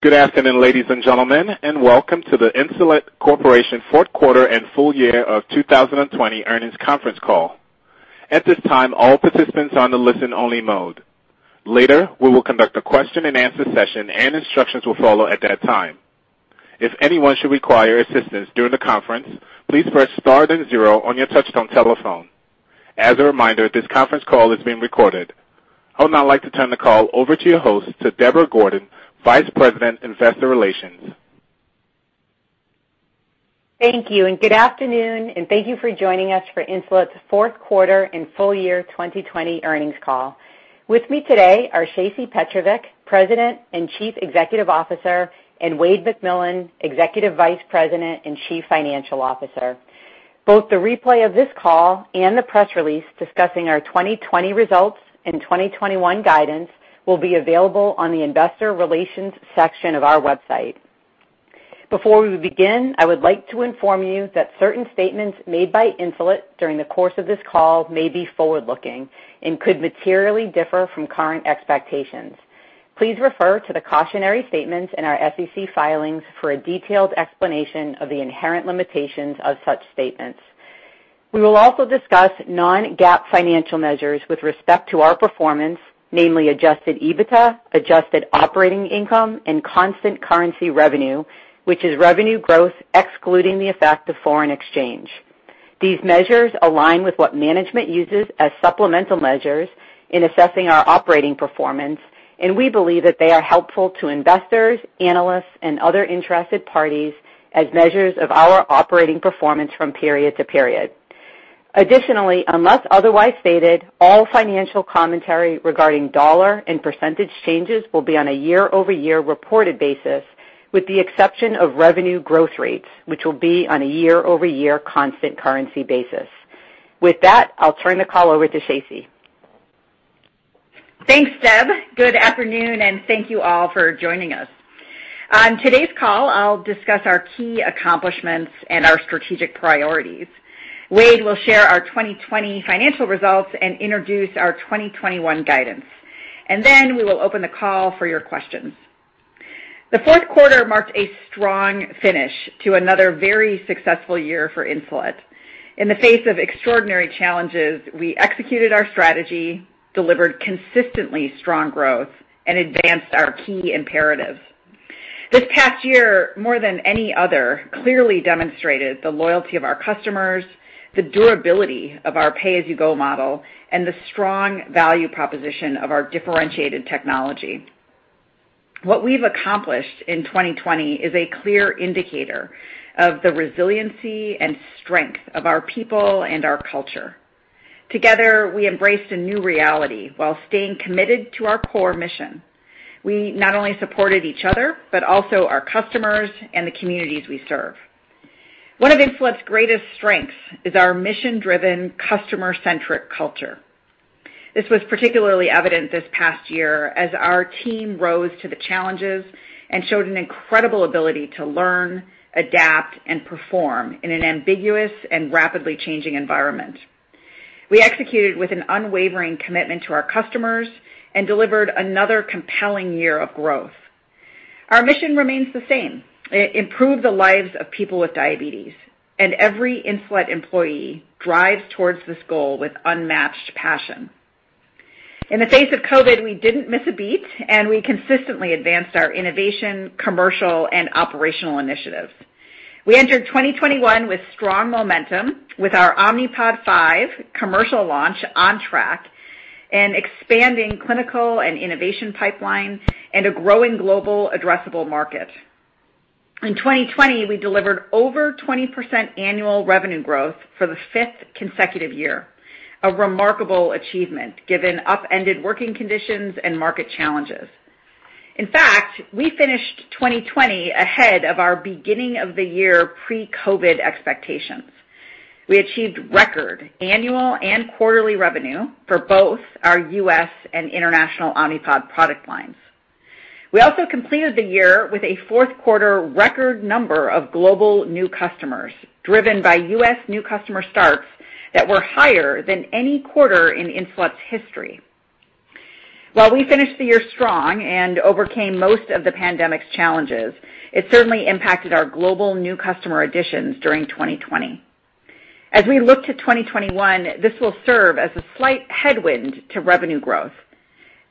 Good afternoon, ladies and gentlemen, and welcome to the Insulet Corporation fourth quarter and full year of 2020 earnings conference call. At this time, all participants are on the listen-only mode. Later, we will conduct a question-and-answer session, and instructions will follow at that time. If anyone should require assistance during the conference, please press star then zero on your touch-tone telephone. As a reminder, this conference call is being recorded. I would now like to turn the call over to your host, to Deborah Gordon, Vice President, Investor Relations. Thank you, and good afternoon, and thank you for joining us for Insulet's fourth quarter and full year 2020 earnings call. With me today are Shacey Petrovic, President and Chief Executive Officer, and Wayde McMillan, Executive Vice President and Chief Financial Officer. Both the replay of this call and the press release discussing our 2020 results and 2021 guidance will be available on the Investor Relations section of our website. Before we begin, I would like to inform you that certain statements made by Insulet during the course of this call may be forward-looking and could materially differ from current expectations. Please refer to the cautionary statements in our SEC filings for a detailed explanation of the inherent limitations of such statements. We will also discuss non-GAAP financial measures with respect to our performance, namely Adjusted EBITDA, Adjusted Operating Income, and constant currency revenue, which is revenue growth excluding the effect of foreign exchange. These measures align with what management uses as supplemental measures in assessing our operating performance, and we believe that they are helpful to investors, analysts, and other interested parties as measures of our operating performance from period to period. Additionally, unless otherwise stated, all financial commentary regarding dollar and percentage changes will be on a year-over-year reported basis, with the exception of revenue growth rates, which will be on a year-over-year constant currency basis. With that, I'll turn the call over to Shacey. Thanks, Deb. Good afternoon, and thank you all for joining us. On today's call, I'll discuss our key accomplishments and our strategic priorities. Wayde will share our 2020 financial results and introduce our 2021 guidance, and then we will open the call for your questions. The fourth quarter marked a strong finish to another very successful year for Insulet. In the face of extraordinary challenges, we executed our strategy, delivered consistently strong growth, and advanced our key imperatives. This past year, more than any other, clearly demonstrated the loyalty of our customers, the durability of our pay-as-you-go model, and the strong value proposition of our differentiated technology. What we've accomplished in 2020 is a clear indicator of the resiliency and strength of our people and our culture. Together, we embraced a new reality while staying committed to our core mission. We not only supported each other but also our customers and the communities we serve. One of Insulet's greatest strengths is our mission-driven, customer-centric culture. This was particularly evident this past year as our team rose to the challenges and showed an incredible ability to learn, adapt, and perform in an ambiguous and rapidly changing environment. We executed with an unwavering commitment to our customers and delivered another compelling year of growth. Our mission remains the same: improve the lives of people with diabetes, and every Insulet employee drives towards this goal with unmatched passion. In the face of COVID, we didn't miss a beat, and we consistently advanced our innovation, commercial, and operational initiatives. We entered 2021 with strong momentum, with our Omnipod 5 commercial launch on track and expanding clinical and innovation pipeline and a growing global addressable market. In 2020, we delivered over 20% annual revenue growth for the fifth consecutive year, a remarkable achievement given upended working conditions and market challenges. In fact, we finished 2020 ahead of our beginning-of-the-year pre-COVID expectations. We achieved record annual and quarterly revenue for both our U.S. and international Omnipod product lines. We also completed the year with a fourth quarter record number of global new customers, driven by U.S. new customer starts that were higher than any quarter in Insulet's history. While we finished the year strong and overcame most of the pandemic's challenges, it certainly impacted our global new customer additions during 2020. As we look to 2021, this will serve as a slight headwind to revenue growth.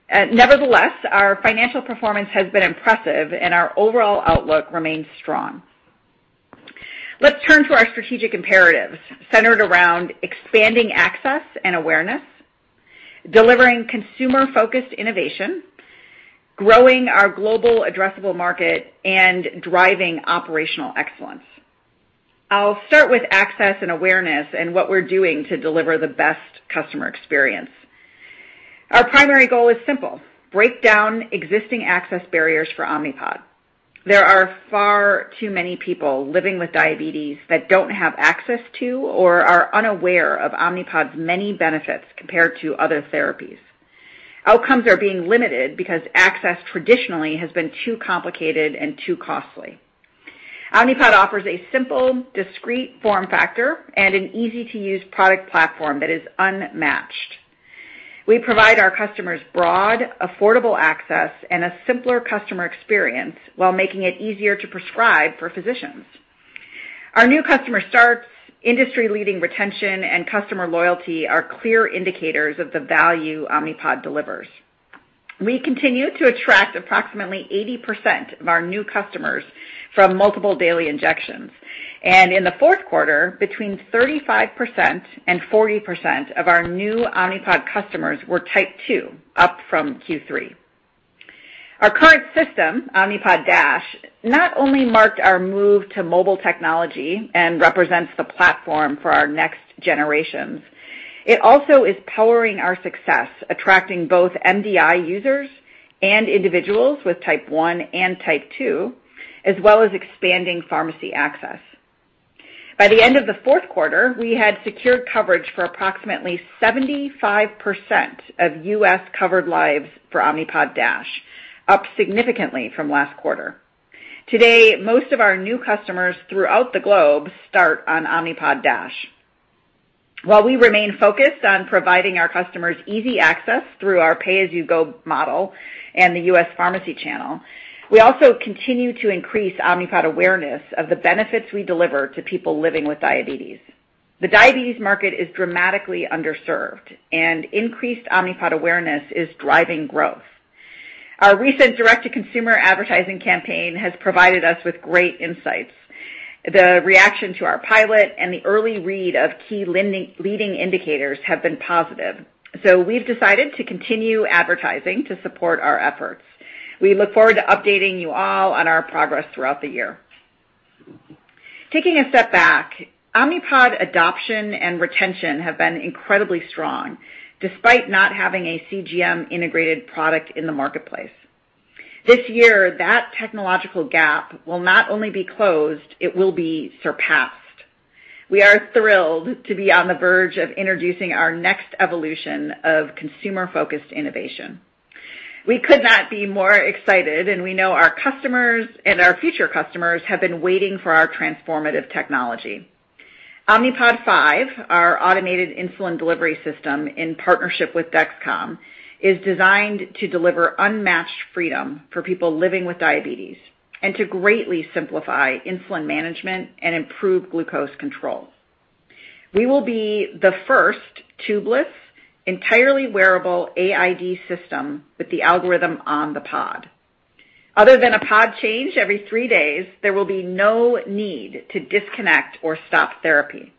Nevertheless, our financial performance has been impressive, and our overall outlook remains strong. Let's turn to our strategic imperatives centered around expanding access and awareness, delivering consumer-focused innovation, growing our global addressable market, and driving operational excellence. I'll start with access and awareness and what we're doing to deliver the best customer experience. Our primary goal is simple: break down existing access barriers for Omnipod. There are far too many people living with diabetes that don't have access to or are unaware of Omnipod's many benefits compared to other therapies. Outcomes are being limited because access traditionally has been too complicated and too costly. Omnipod offers a simple, discreet form factor and an easy-to-use product platform that is unmatched. We provide our customers broad, affordable access and a simpler customer experience while making it easier to prescribe for physicians. Our new customer starts, industry-leading retention, and customer loyalty are clear indicators of the value Omnipod delivers. We continue to attract approximately 80% of our new customers from multiple daily injections, and in the fourth quarter, between 35% and 40% of our new Omnipod customers were Type 2, up from Q3. Our current system, Omnipod DASH, not only marked our move to mobile technology and represents the platform for our next generations, it also is powering our success, attracting both MDI users and individuals with Type 1 and Type 2, as well as expanding pharmacy access. By the end of the fourth quarter, we had secured coverage for approximately 75% of U.S. covered lives for Omnipod DASH, up significantly from last quarter. Today, most of our new customers throughout the globe start on Omnipod DASH. While we remain focused on providing our customers easy access through our pay-as-you-go model and the U.S. pharmacy channel, we also continue to increase Omnipod awareness of the benefits we deliver to people living with diabetes. The diabetes market is dramatically underserved, and increased Omnipod awareness is driving growth. Our recent direct-to-consumer advertising campaign has provided us with great insights. The reaction to our pilot and the early read of key leading indicators have been positive, so we've decided to continue advertising to support our efforts. We look forward to updating you all on our progress throughout the year. Taking a step back, Omnipod adoption and retention have been incredibly strong despite not having a CGM-integrated product in the marketplace. This year, that technological gap will not only be closed. It will be surpassed. We are thrilled to be on the verge of introducing our next evolution of consumer-focused innovation. We could not be more excited, and we know our customers and our future customers have been waiting for our transformative technology. Omnipod 5, our automated insulin delivery system in partnership with Dexcom, is designed to deliver unmatched freedom for people living with diabetes and to greatly simplify insulin management and improve glucose control. We will be the first tubeless, entirely wearable AID system with the algorithm on the pod. Other than a pod change every three days, there will be no need to disconnect or stop therapy.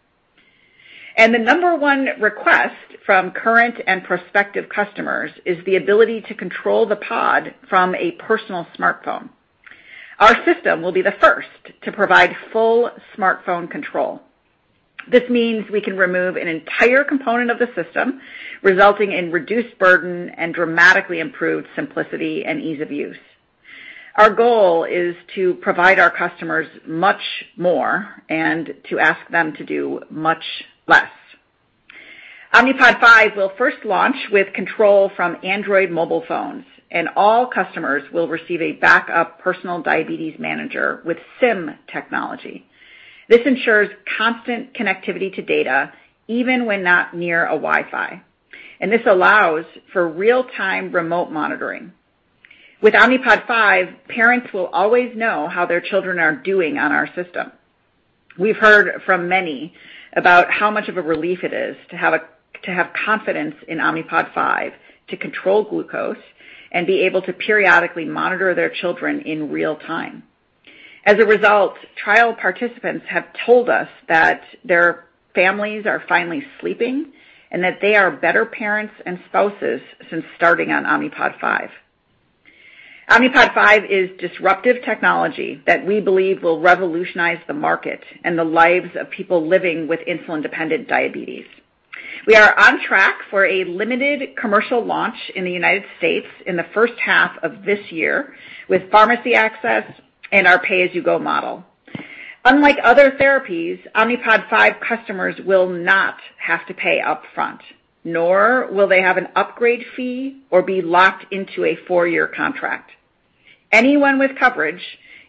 And the number one request from current and prospective customers is the ability to control the pod from a personal smartphone. Our system will be the first to provide full smartphone control. This means we can remove an entire component of the system, resulting in reduced burden and dramatically improved simplicity and ease of use. Our goal is to provide our customers much more and to ask them to do much less. Omnipod 5 will first launch with control from Android mobile phones, and all customers will receive a backup Personal Diabetes Manager with SIM technology. This ensures constant connectivity to data, even when not near a Wi-Fi, and this allows for real-time remote monitoring. With Omnipod 5, parents will always know how their children are doing on our system. We've heard from many about how much of a relief it is to have confidence in Omnipod 5 to control glucose and be able to periodically monitor their children in real time. As a result, trial participants have told us that their families are finally sleeping and that they are better parents and spouses since starting on Omnipod 5. Omnipod 5 is disruptive technology that we believe will revolutionize the market and the lives of people living with insulin-dependent diabetes. We are on track for a limited commercial launch in the United States in the first half of this year with pharmacy access and our pay-as-you-go model. Unlike other therapies, Omnipod 5 customers will not have to pay upfront, nor will they have an upgrade fee or be locked into a four-year contract. Anyone with coverage,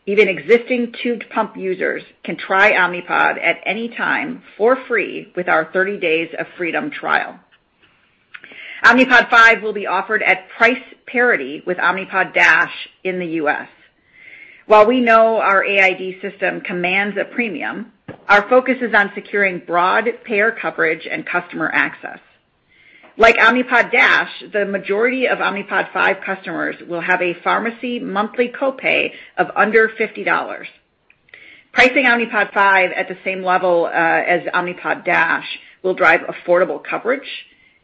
even existing tube pump users, can try Omnipod at any time for free with our 30 Days of Freedom trial. Omnipod 5 will be offered at price parity with Omnipod DASH in the U.S. While we know our AID system commands a premium, our focus is on securing broad payer coverage and customer access. Like Omnipod DASH, the majority of Omnipod 5 customers will have a pharmacy monthly copay of under $50. Pricing Omnipod 5 at the same level as Omnipod DASH will drive affordable coverage,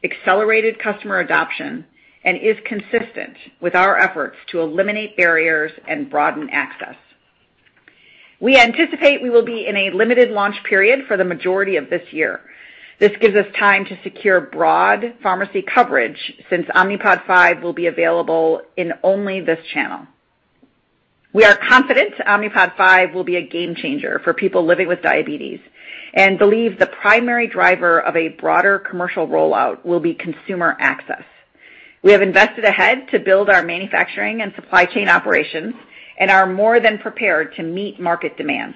accelerated customer adoption, and is consistent with our efforts to eliminate barriers and broaden access. We anticipate we will be in a limited launch period for the majority of this year. This gives us time to secure broad pharmacy coverage since Omnipod 5 will be available in only this channel. We are confident Omnipod 5 will be a game changer for people living with diabetes and believe the primary driver of a broader commercial rollout will be consumer access. We have invested ahead to build our manufacturing and supply chain operations and are more than prepared to meet market demand.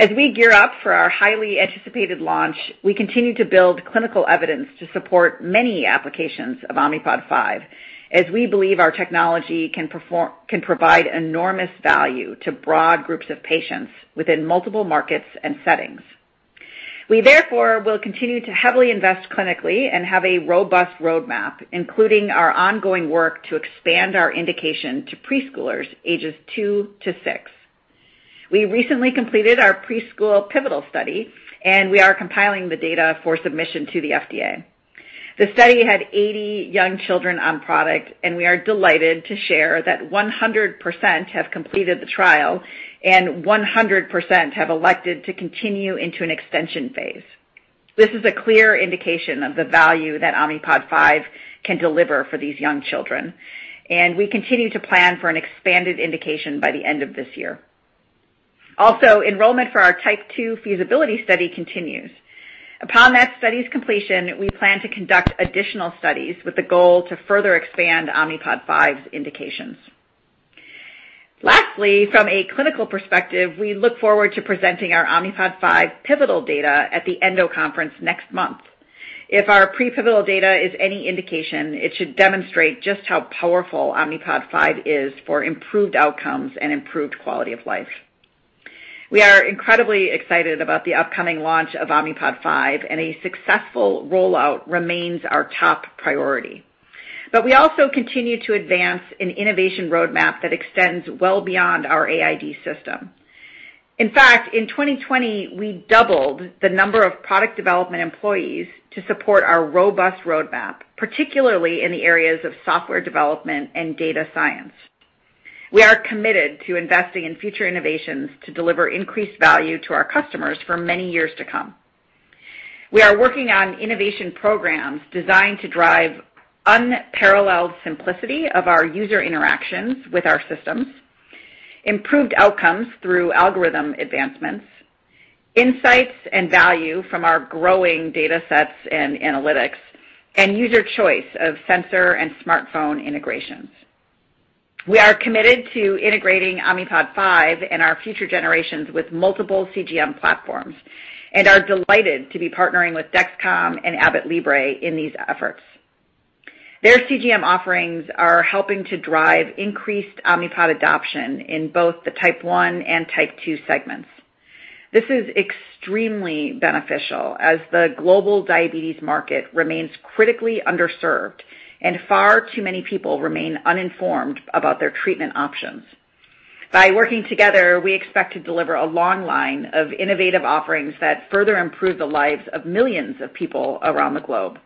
As we gear up for our highly anticipated launch, we continue to build clinical evidence to support many applications of Omnipod 5, as we believe our technology can provide enormous value to broad groups of patients within multiple markets and settings. We, therefore, will continue to heavily invest clinically and have a robust roadmap, including our ongoing work to expand our indication to preschoolers ages two to six. We recently completed our preschool pivotal study, and we are compiling the data for submission to the FDA. The study had 80 young children on product, and we are delighted to share that 100% have completed the trial and 100% have elected to continue into an extension phase. This is a clear indication of the value that Omnipod 5 can deliver for these young children, and we continue to plan for an expanded indication by the end of this year. Also, enrollment for our Type 2 feasibility study continues. Upon that study's completion, we plan to conduct additional studies with the goal to further expand Omnipod 5's indications. Lastly, from a clinical perspective, we look forward to presenting our Omnipod 5 pivotal data at the ENDO conference next month. If our pre-pivotal data is any indication, it should demonstrate just how powerful Omnipod 5 is for improved outcomes and improved quality of life. We are incredibly excited about the upcoming launch of Omnipod 5, and a successful rollout remains our top priority, but we also continue to advance an innovation roadmap that extends well beyond our AID system. In fact, in 2020, we doubled the number of product development employees to support our robust roadmap, particularly in the areas of software development and data science. We are committed to investing in future innovations to deliver increased value to our customers for many years to come. We are working on innovation programs designed to drive unparalleled simplicity of our user interactions with our systems, improved outcomes through algorithm advancements, insights and value from our growing data sets and analytics, and user choice of sensor and smartphone integrations. We are committed to integrating Omnipod 5 and our future generations with multiple CGM platforms and are delighted to be partnering with Dexcom and Abbott Libre in these efforts. Their CGM offerings are helping to drive increased Omnipod adoption in both the Type 1 and Type 2 segments. This is extremely beneficial as the global diabetes market remains critically underserved and far too many people remain uninformed about their treatment options. By working together, we expect to deliver a long line of innovative offerings that further improve the lives of millions of people around the globe.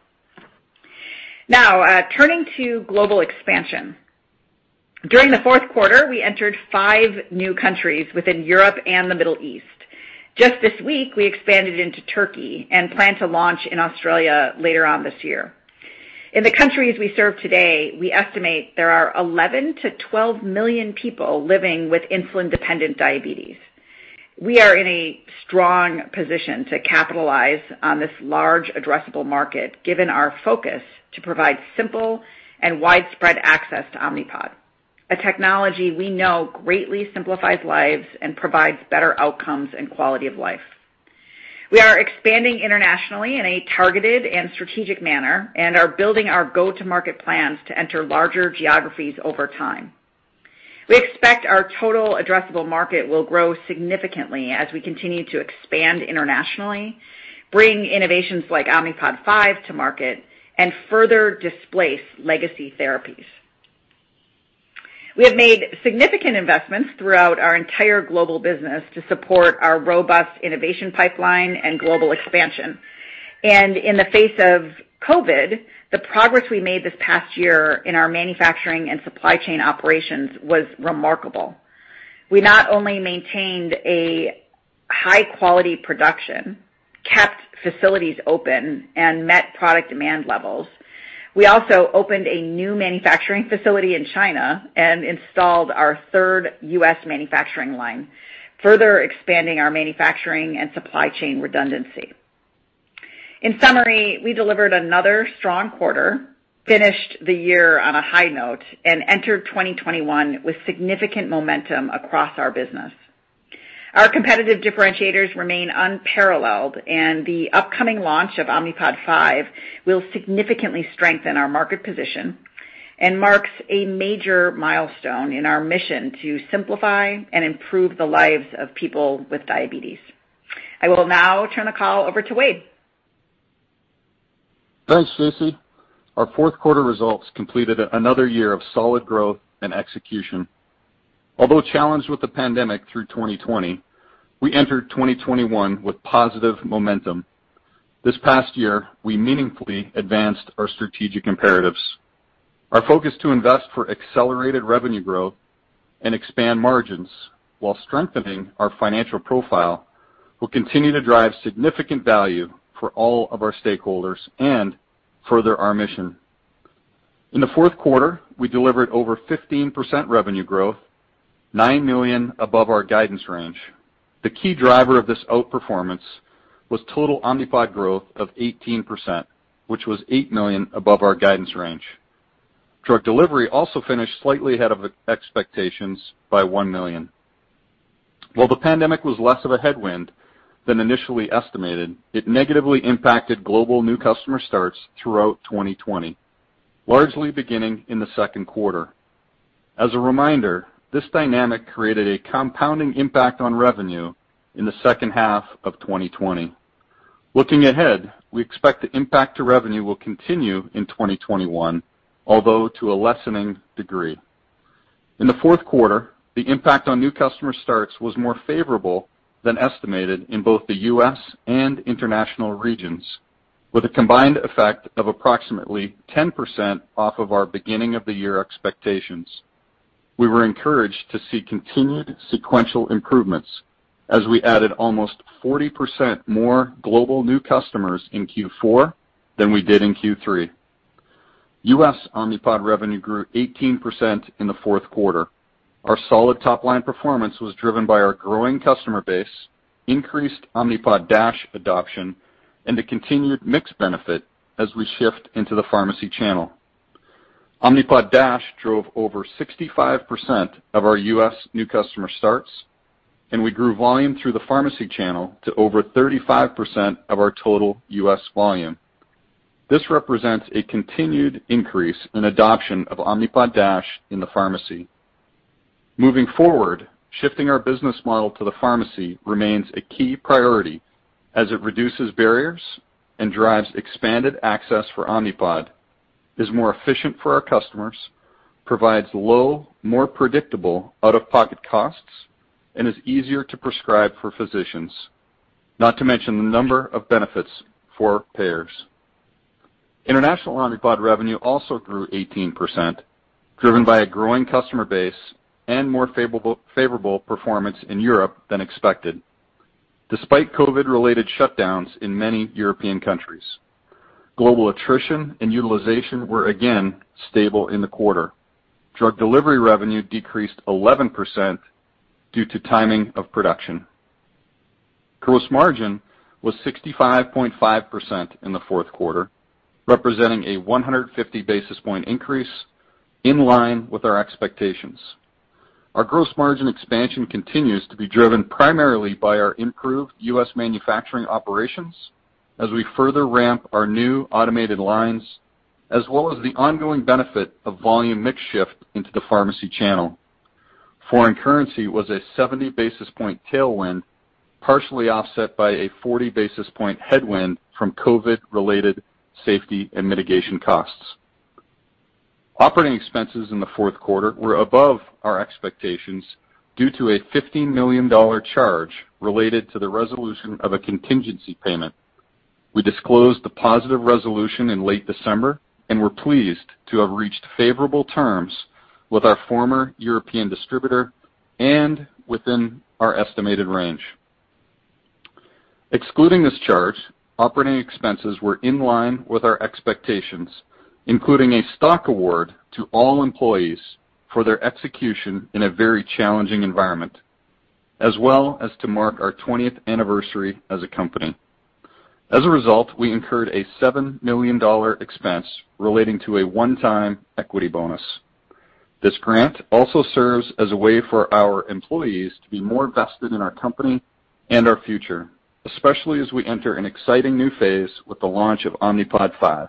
Now, turning to global expansion. During the fourth quarter, we entered five new countries within Europe and the Middle East. Just this week, we expanded into Turkey and plan to launch in Australia later on this year. In the countries we serve today, we estimate there are 11 million-12 million people living with insulin-dependent diabetes. We are in a strong position to capitalize on this large addressable market, given our focus to provide simple and widespread access to Omnipod, a technology we know greatly simplifies lives and provides better outcomes and quality of life. We are expanding internationally in a targeted and strategic manner and are building our go-to-market plans to enter larger geographies over time. We expect our total addressable market will grow significantly as we continue to expand internationally, bring innovations like Omnipod 5 to market, and further displace legacy therapies. We have made significant investments throughout our entire global business to support our robust innovation pipeline and global expansion. And in the face of COVID, the progress we made this past year in our manufacturing and supply chain operations was remarkable. We not only maintained a high-quality production, kept facilities open, and met product demand levels, we also opened a new manufacturing facility in China and installed our third U.S. manufacturing line, further expanding our manufacturing and supply chain redundancy. In summary, we delivered another strong quarter, finished the year on a high note, and entered 2021 with significant momentum across our business. Our competitive differentiators remain unparalleled, and the upcoming launch of Omnipod 5 will significantly strengthen our market position and marks a major milestone in our mission to simplify and improve the lives of people with diabetes. I will now turn the call over to Wayde. Thanks, Shacey. Our fourth quarter results completed another year of solid growth and execution. Although challenged with the pandemic through 2020, we entered 2021 with positive momentum. This past year, we meaningfully advanced our strategic imperatives. Our focus to invest for accelerated revenue growth and expand margins while strengthening our financial profile will continue to drive significant value for all of our stakeholders and further our mission. In the fourth quarter, we delivered over 15% revenue growth, $9 million above our guidance range. The key driver of this outperformance was total Omnipod growth of 18%, which was $8 million above our guidance range. Drug delivery also finished slightly ahead of expectations by $1 million. While the pandemic was less of a headwind than initially estimated, it negatively impacted global new customer starts throughout 2020, largely beginning in the second quarter. As a reminder, this dynamic created a compounding impact on revenue in the second half of 2020. Looking ahead, we expect the impact to revenue will continue in 2021, although to a lessening degree. In the fourth quarter, the impact on new customer starts was more favorable than estimated in both the U.S. and international regions, with a combined effect of approximately 10% off of our beginning-of-the-year expectations. We were encouraged to see continued sequential improvements as we added almost 40% more global new customers in Q4 than we did in Q3. U.S. Omnipod revenue grew 18% in the fourth quarter. Our solid top-line performance was driven by our growing customer base, increased Omnipod DASH adoption, and the continued mixed benefit as we shift into the pharmacy channel. Omnipod DASH drove over 65% of our U.S. new customer starts, and we grew volume through the pharmacy channel to over 35% of our total U.S. volume. This represents a continued increase in adoption of Omnipod DASH in the pharmacy. Moving forward, shifting our business model to the pharmacy remains a key priority as it reduces barriers and drives expanded access for Omnipod, is more efficient for our customers, provides low, more predictable out-of-pocket costs, and is easier to prescribe for physicians, not to mention the number of benefits for payers. International Omnipod revenue also grew 18%, driven by a growing customer base and more favorable performance in Europe than expected, despite COVID-related shutdowns in many European countries. Global attrition and utilization were again stable in the quarter. Drug delivery revenue decreased 11% due to timing of production. Gross margin was 65.5% in the fourth quarter, representing a 150 basis point increase in line with our expectations. Our gross margin expansion continues to be driven primarily by our improved U.S. manufacturing operations as we further ramp our new automated lines, as well as the ongoing benefit of volume mix shift into the pharmacy channel. Foreign currency was a 70 basis point tailwind, partially offset by a 40 basis point headwind from COVID-related safety and mitigation costs. Operating expenses in the fourth quarter were above our expectations due to a $15 million charge related to the resolution of a contingency payment. We disclosed the positive resolution in late December and were pleased to have reached favorable terms with our former European distributor and within our estimated range. Excluding this charge, operating expenses were in line with our expectations, including a stock award to all employees for their execution in a very challenging environment, as well as to mark our 20th anniversary as a company. As a result, we incurred a $7 million expense relating to a one-time equity bonus. This grant also serves as a way for our employees to be more vested in our company and our future, especially as we enter an exciting new phase with the launch of Omnipod 5.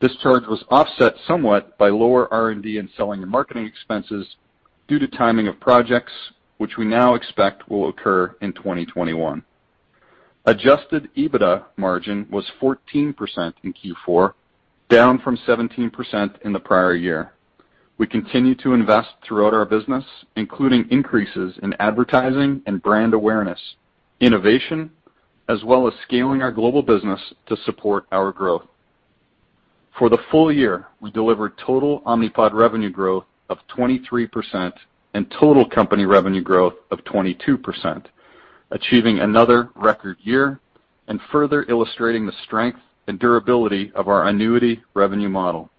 This charge was offset somewhat by lower R&D and selling and marketing expenses due to timing of projects, which we now expect will occur in 2021. Adjusted EBITDA margin was 14% in Q4, down from 17% in the prior year. We continue to invest throughout our business, including increases in advertising and brand awareness, innovation, as well as scaling our global business to support our growth. For the full year, we delivered total Omnipod revenue growth of 23% and total company revenue growth of 22%, achieving another record year and further illustrating the strength and durability of our annuity revenue model.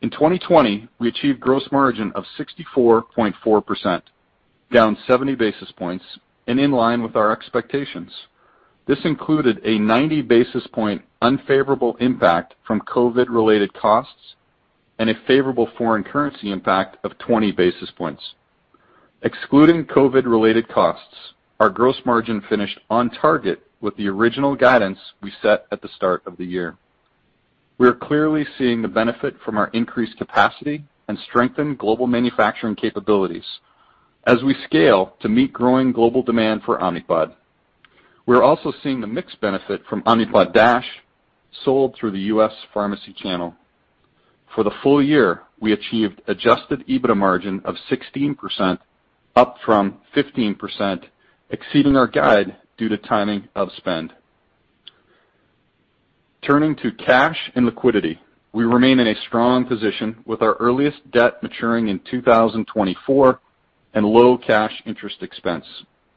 In 2020, we achieved gross margin of 64.4%, down 70 basis points, and in line with our expectations. This included a 90 basis point unfavorable impact from COVID-related costs and a favorable foreign currency impact of 20 basis points. Excluding COVID-related costs, our gross margin finished on target with the original guidance we set at the start of the year. We are clearly seeing the benefit from our increased capacity and strengthened global manufacturing capabilities as we scale to meet growing global demand for Omnipod. We are also seeing the mixed benefit from Omnipod DASH sold through the U.S. pharmacy channel. For the full year, we achieved Adjusted EBITDA margin of 16%, up from 15%, exceeding our guide due to timing of spend. Turning to cash and liquidity, we remain in a strong position with our earliest debt maturing in 2024 and low cash interest expense.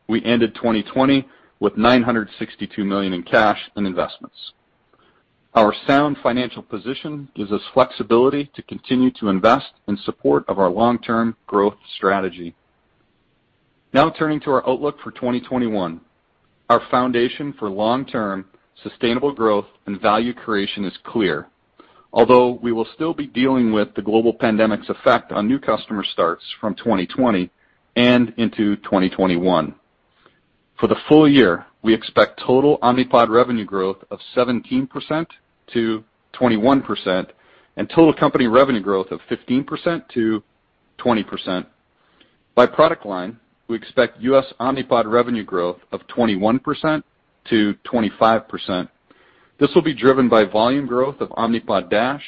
We ended 2020 with $962 million in cash and investments. Our sound financial position gives us flexibility to continue to invest in support of our long-term growth strategy. Now, turning to our outlook for 2021, our foundation for long-term sustainable growth and value creation is clear, although we will still be dealing with the global pandemic's effect on new customer starts from 2020 and into 2021. For the full year, we expect total Omnipod revenue growth of 17%-21% and total company revenue growth of 15%-20%. By product line, we expect U.S. Omnipod revenue growth of 21%-25%. This will be driven by volume growth of Omnipod DASH,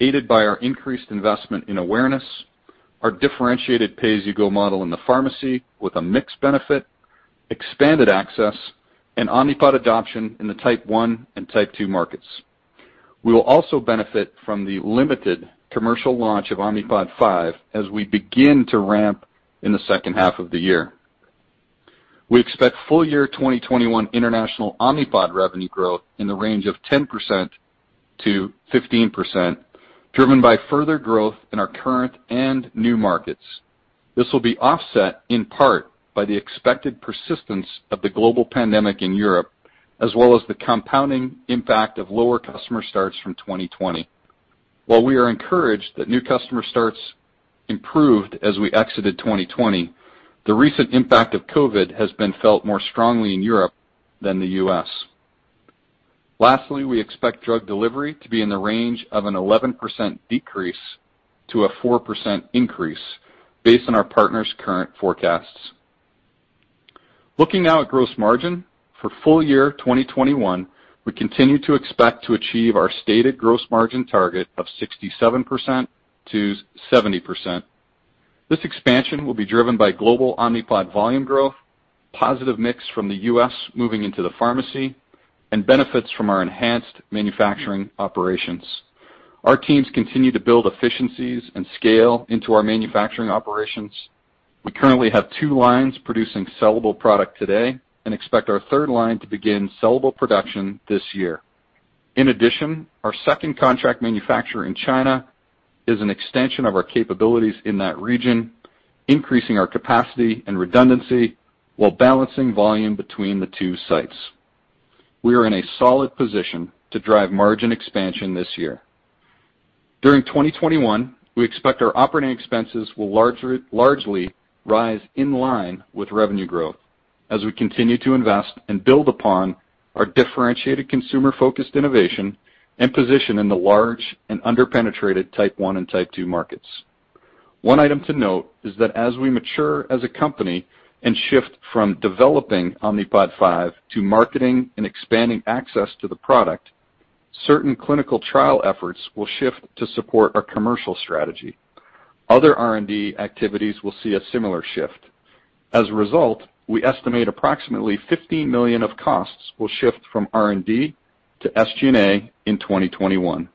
aided by our increased investment in awareness, our differentiated pay-as-you-go model in the pharmacy with a mixed benefit, expanded access, and Omnipod adoption in the Type 1 and Type 2 markets. We will also benefit from the limited commercial launch of Omnipod 5 as we begin to ramp in the second half of the year. We expect full year 2021 international Omnipod revenue growth in the range of 10%-15%, driven by further growth in our current and new markets. This will be offset in part by the expected persistence of the global pandemic in Europe, as well as the compounding impact of lower customer starts from 2020. While we are encouraged that new customer starts improved as we exited 2020, the recent impact of COVID has been felt more strongly in Europe than the U.S. Lastly, we expect drug delivery to be in the range of an 11% decrease to a 4% increase based on our partners' current forecasts. Looking now at gross margin, for full year 2021, we continue to expect to achieve our stated gross margin target of 67%-70%. This expansion will be driven by global Omnipod volume growth, positive mix from the U.S. moving into the pharmacy, and benefits from our enhanced manufacturing operations. Our teams continue to build efficiencies and scale into our manufacturing operations. We currently have two lines producing sellable product today and expect our third line to begin sellable production this year. In addition, our second contract manufacturer in China is an extension of our capabilities in that region, increasing our capacity and redundancy while balancing volume between the two sites. We are in a solid position to drive margin expansion this year. During 2021, we expect our operating expenses will largely rise in line with revenue growth as we continue to invest and build upon our differentiated consumer-focused innovation and position in the large and under-penetrated Type 1 and Type 2 markets. One item to note is that as we mature as a company and shift from developing Omnipod 5 to marketing and expanding access to the product, certain clinical trial efforts will shift to support our commercial strategy. Other R&D activities will see a similar shift. As a result, we estimate approximately $15 million of costs will shift from R&D to SG&A in 2021.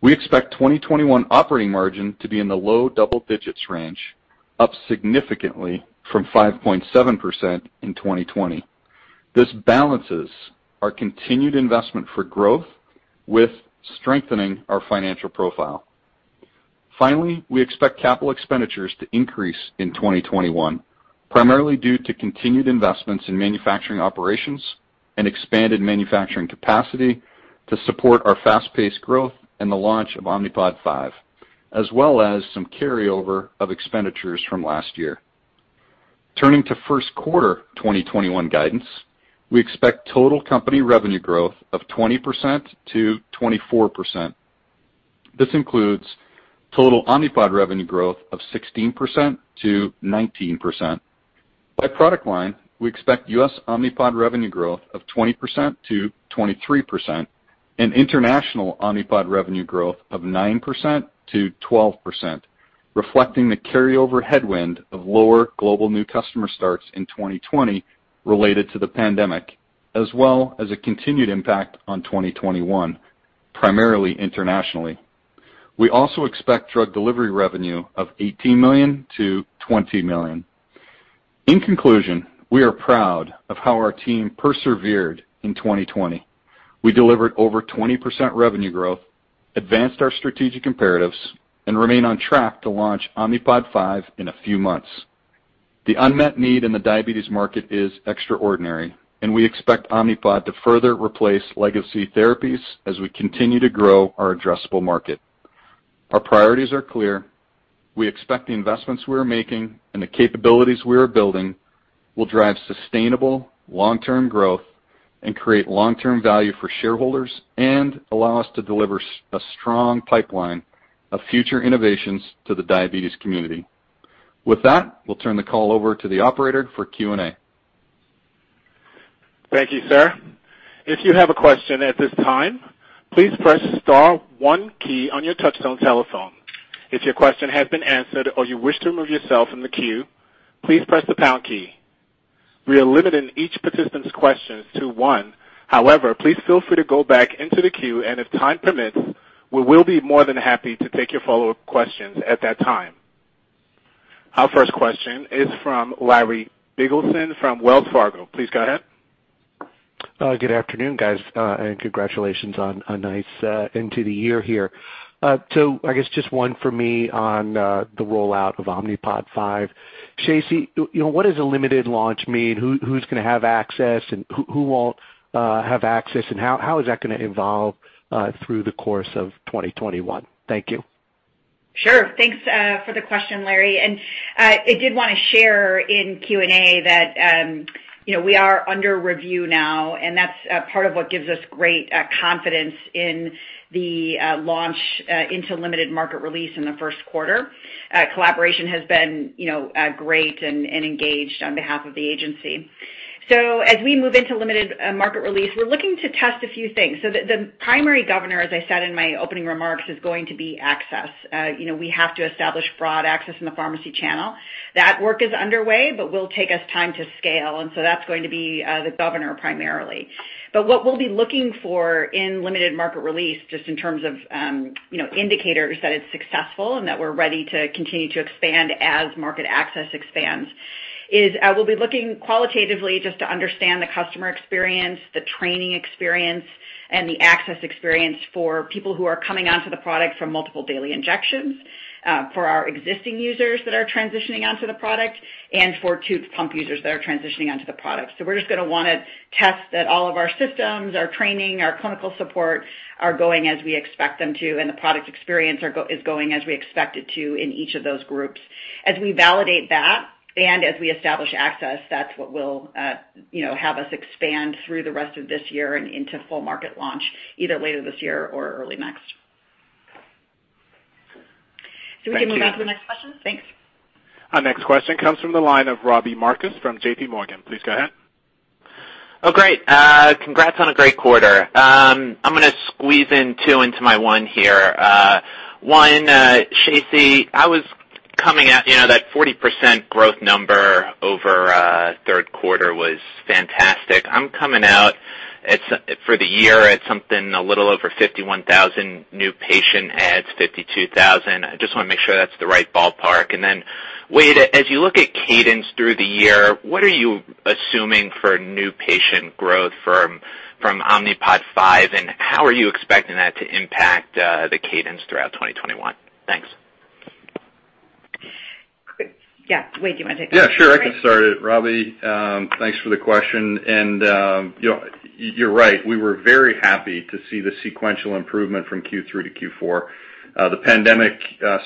We expect 2021 operating margin to be in the low double digits range, up significantly from 5.7% in 2020. This balances our continued investment for growth with strengthening our financial profile. Finally, we expect capital expenditures to increase in 2021, primarily due to continued investments in manufacturing operations and expanded manufacturing capacity to support our fast-paced growth and the launch of Omnipod 5, as well as some carryover of expenditures from last year. Turning to first quarter 2021 guidance, we expect total company revenue growth of 20%-24%. This includes total Omnipod revenue growth of 16%-19%. By product line, we expect U.S. Omnipod revenue growth of 20%-23% and international Omnipod revenue growth of 9%-12%, reflecting the carryover headwind of lower global new customer starts in 2020 related to the pandemic, as well as a continued impact on 2021, primarily internationally. We also expect drug delivery revenue of $18 million-$20 million. In conclusion, we are proud of how our team persevered in 2020. We delivered over 20% revenue growth, advanced our strategic imperatives, and remain on track to launch Omnipod 5 in a few months. The unmet need in the diabetes market is extraordinary, and we expect Omnipod to further replace legacy therapies as we continue to grow our addressable market. Our priorities are clear. We expect the investments we are making and the capabilities we are building will drive sustainable long-term growth and create long-term value for shareholders and allow us to deliver a strong pipeline of future innovations to the diabetes community. With that, we'll turn the call over to the operator for Q&A. Thank you, sir. If you have a question at this time, please press star one key on your touch-tone telephone. If your question has been answered or you wish to remove yourself from the queue, please press the pound key. We are limiting each participant's questions to one. However, please feel free to go back into the queue, and if time permits, we will be more than happy to take your follow-up questions at that time. Our first question is from Larry Biegelsen from Wells Fargo. Please go ahead. Good afternoon, guys, and congratulations on a nice end to the year here, so I guess just one for me on the rollout of Omnipod 5. Shacey, what does a limited launch mean? Who's going to have access, and who won't have access, and how is that going to evolve through the course of 2021? Thank you. Sure. Thanks for the question, Larry. And I did want to share in Q&A that we are under review now, and that's part of what gives us great confidence in the launch into limited market release in the first quarter. Collaboration has been great and engaged on behalf of the agency. So as we move into limited market release, we're looking to test a few things. So the primary governor, as I said in my opening remarks, is going to be access. We have to establish broad access in the pharmacy channel. That work is underway, but will take us time to scale. And so that's going to be the governor primarily. But what we'll be looking for in limited market release, just in terms of indicators that it's successful and that we're ready to continue to expand as market access expands, is we'll be looking qualitatively just to understand the customer experience, the training experience, and the access experience for people who are coming onto the product from multiple daily injections, for our existing users that are transitioning onto the product, and for tube pump users that are transitioning onto the product. So we're just going to want to test that all of our systems, our training, our clinical support are going as we expect them to, and the product experience is going as we expect it to in each of those groups. As we validate that and as we establish access, that's what will have us expand through the rest of this year and into full market launch, either later this year or early next, so we can move on to the next question. Thanks. Our next question comes from the line of Robbie Marcus from JPMorgan. Please go ahead. Oh, great. Congrats on a great quarter. I'm going to squeeze in two into my one here. One, Shacey, I was coming at that 40% growth number over third quarter was fantastic. I'm coming out for the year at something a little over 51,000 new patient adds, 52,000. I just want to make sure that's the right ballpark. And then, Wayde, as you look at cadence through the year, what are you assuming for new patient growth from Omnipod 5, and how are you expecting that to impact the cadence throughout 2021? Thanks. Yeah. Wayde, do you want to take that? Yeah, sure. I can start it. Robbie, thanks for the question. And you're right. We were very happy to see the sequential improvement from Q3 to Q4. The pandemic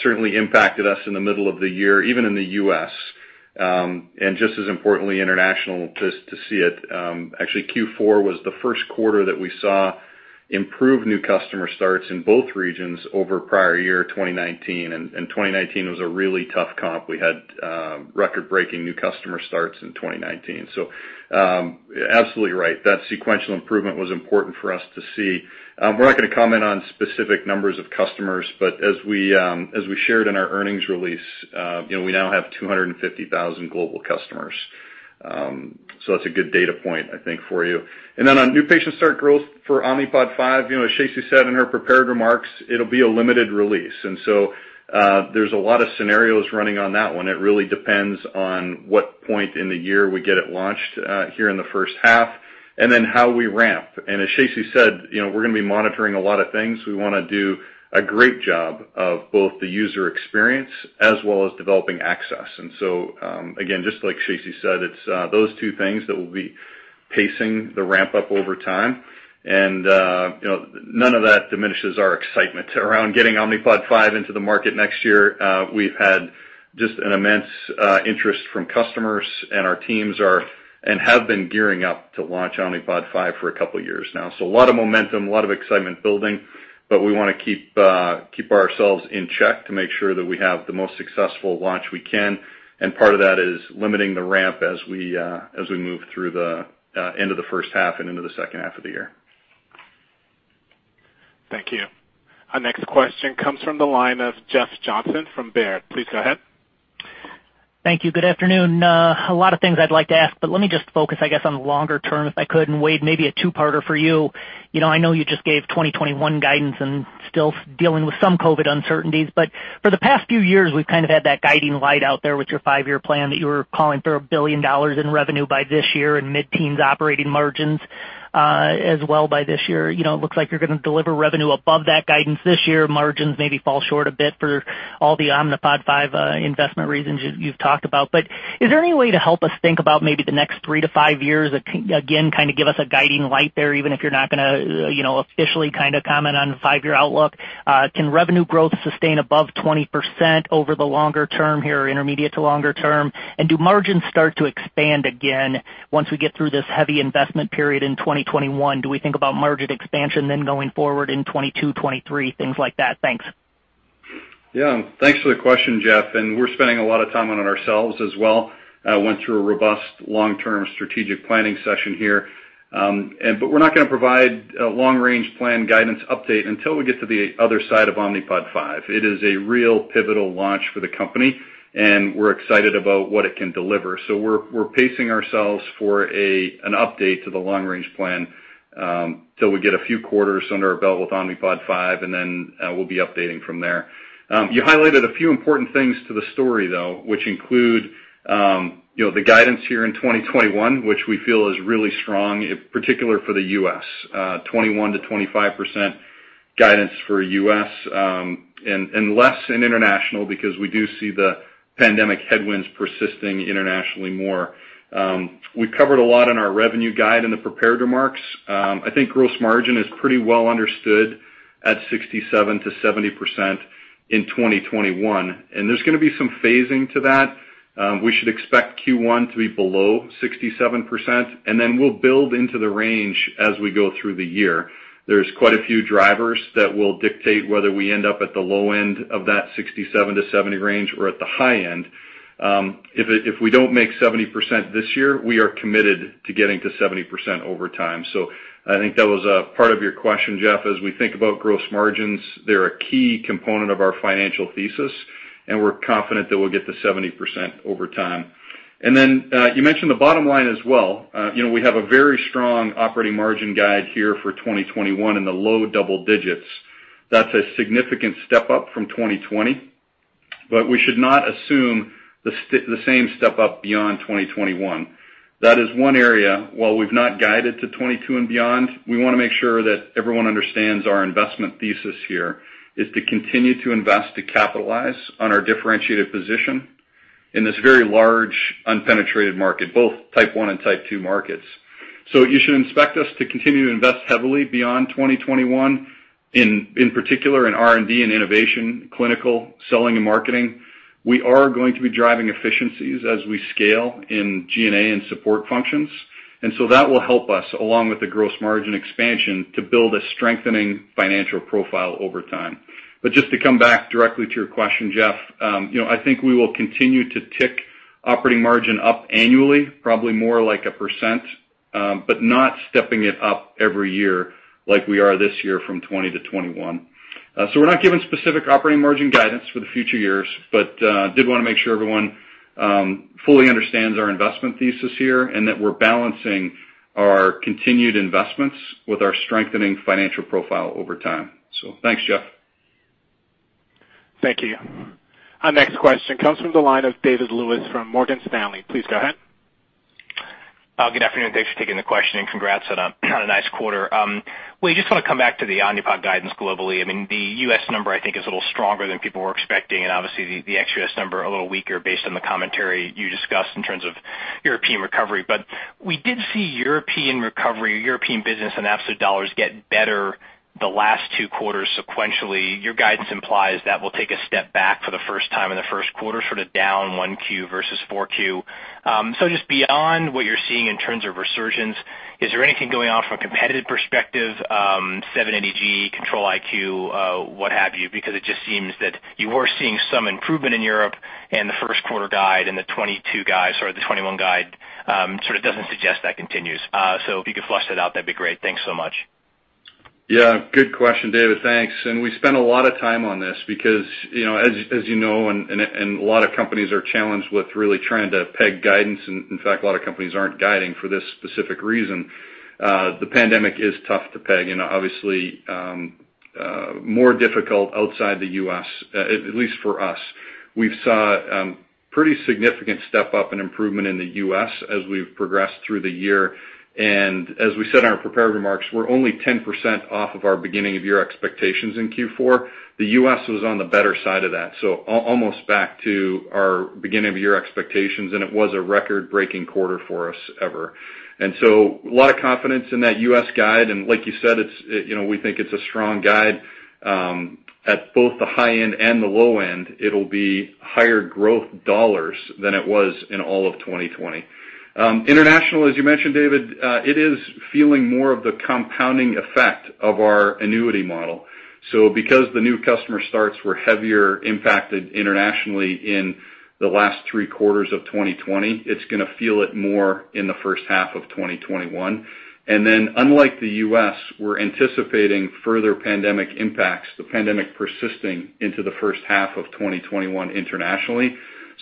certainly impacted us in the middle of the year, even in the U.S., and just as importantly, international, to see it. Actually, Q4 was the first quarter that we saw improved new customer starts in both regions over prior year, 2019. And 2019 was a really tough comp. We had record-breaking new customer starts in 2019. So absolutely right. That sequential improvement was important for us to see. We're not going to comment on specific numbers of customers, but as we shared in our earnings release, we now have 250,000 global customers. So that's a good data point, I think, for you. And then on new patient start growth for Omnipod 5, Shacey said in her prepared remarks, it'll be a limited release. And so there's a lot of scenarios running on that one. It really depends on what point in the year we get it launched here in the first half and then how we ramp. And as Shacey said, we're going to be monitoring a lot of things. We want to do a great job of both the user experience as well as developing access. And so, again, just like Shacey said, it's those two things that will be pacing the ramp-up over time. And none of that diminishes our excitement around getting Omnipod 5 into the market next year. We've had just an immense interest from customers, and our teams have been gearing up to launch Omnipod 5 for a couple of years now. So a lot of momentum, a lot of excitement building, but we want to keep ourselves in check to make sure that we have the most successful launch we can. And part of that is limiting the ramp as we move through the end of the first half and into the second half of the year. Thank you. Our next question comes from the line of Jeff Johnson from Baird. Please go ahead. Thank you. Good afternoon. A lot of things I'd like to ask, but let me just focus, I guess, on the longer term if I could. And Wayde, maybe a two-parter for you. I know you just gave 2021 guidance and still dealing with some COVID uncertainties. But for the past few years, we've kind of had that guiding light out there with your five-year plan that you were calling for $1 billion in revenue by this year and mid-teens operating margins as well by this year. It looks like you're going to deliver revenue above that guidance this year. Margins maybe fall short a bit for all the Omnipod 5 investment reasons you've talked about. But is there any way to help us think about maybe the next three to five years, again, kind of give us a guiding light there, even if you're not going to officially kind of comment on the five-year outlook? Can revenue growth sustain above 20% over the longer term here, intermediate to longer term? And do margins start to expand again once we get through this heavy investment period in 2021? Do we think about margin expansion then going forward in 2022, 2023, things like that? Thanks. Yeah. Thanks for the question, Jeff. And we're spending a lot of time on it ourselves as well. I went through a robust long-term strategic planning session here. But we're not going to provide a long-range plan guidance update until we get to the other side of Omnipod 5. It is a real pivotal launch for the company, and we're excited about what it can deliver. So we're pacing ourselves for an update to the long-range plan till we get a few quarters under our belt with Omnipod 5, and then we'll be updating from there. You highlighted a few important things to the story, though, which include the guidance here in 2021, which we feel is really strong, particularly for the U.S., 21%-25% guidance for U.S., and less in international because we do see the pandemic headwinds persisting internationally more. We covered a lot in our revenue guide and the prepared remarks. I think gross margin is pretty well understood at 67%-70% in 2021. And there's going to be some phasing to that. We should expect Q1 to be below 67%, and then we'll build into the range as we go through the year. There's quite a few drivers that will dictate whether we end up at the low end of that 67%-70% range or at the high end. If we don't make 70% this year, we are committed to getting to 70% over time. So I think that was part of your question, Jeff. As we think about gross margins, they're a key component of our financial thesis, and we're confident that we'll get to 70% over time. And then you mentioned the bottom line as well. We have a very strong operating margin guide here for 2021 in the low double digits. That's a significant step up from 2020, but we should not assume the same step up beyond 2021. That is one area. While we've not guided to 2022 and beyond, we want to make sure that everyone understands our investment thesis here is to continue to invest to capitalize on our differentiated position in this very large, unpenetrated market, both Type 1 and Type 2 markets, so you should expect us to continue to invest heavily beyond 2021, in particular in R&D and innovation, clinical, selling, and marketing. We are going to be driving efficiencies as we scale in G&A and support functions, and so that will help us, along with the gross margin expansion, to build a strengthening financial profile over time. But just to come back directly to your question, Jeff, I think we will continue to tick operating margin up annually, probably more like a percent, but not stepping it up every year like we are this year from 2020 to 2021. So we're not giving specific operating margin guidance for the future years, but I did want to make sure everyone fully understands our investment thesis here and that we're balancing our continued investments with our strengthening financial profile over time. So thanks, Jeff. Thank you. Our next question comes from the line of David Lewis from Morgan Stanley. Please go ahead. Good afternoon. Thanks for taking the question. Congrats on a nice quarter. Well, you just want to come back to the Omnipod guidance globally. I mean, the U.S. number I think is a little stronger than people were expecting, and obviously the ex-U.S. number a little weaker based on the commentary you discussed in terms of European recovery. But we did see European recovery, European business, and absolute dollars get better the last two quarters sequentially. Your guidance implies that will take a step back for the first time in the first quarter, sort of down 1Q versus 4Q. So just beyond what you're seeing in terms of resurgence, is there anything going on from a competitive perspective, 780G, Control-IQ, what have you? Because it just seems that you were seeing some improvement in Europe and the first quarter guide and the 2022 guide, sorry, the 2021 guide sort of doesn't suggest that continues. So if you could flesh that out, that'd be great. Thanks so much. Yeah. Good question, David. Thanks. And we spent a lot of time on this because, as you know, and a lot of companies are challenged with really trying to peg guidance. And in fact, a lot of companies aren't guiding for this specific reason. The pandemic is tough to peg. Obviously, more difficult outside the U.S., at least for us. We've seen a pretty significant step up and improvement in the U.S. as we've progressed through the year. And as we said in our prepared remarks, we're only 10% off of our beginning-of-year expectations in Q4. The U.S. was on the better side of that, so almost back to our beginning-of-year expectations, and it was a record-breaking quarter for us ever. And so a lot of confidence in that U.S. guide. And like you said, we think it's a strong guide. At both the high end and the low end, it'll be higher growth dollars than it was in all of 2020. International, as you mentioned, David, it is feeling more of the compounding effect of our annuity model. So because the new customer starts were heavier impacted internationally in the last three quarters of 2020, it's going to feel it more in the first half of 2021. And then, unlike the U.S., we're anticipating further pandemic impacts, the pandemic persisting into the first half of 2021 internationally.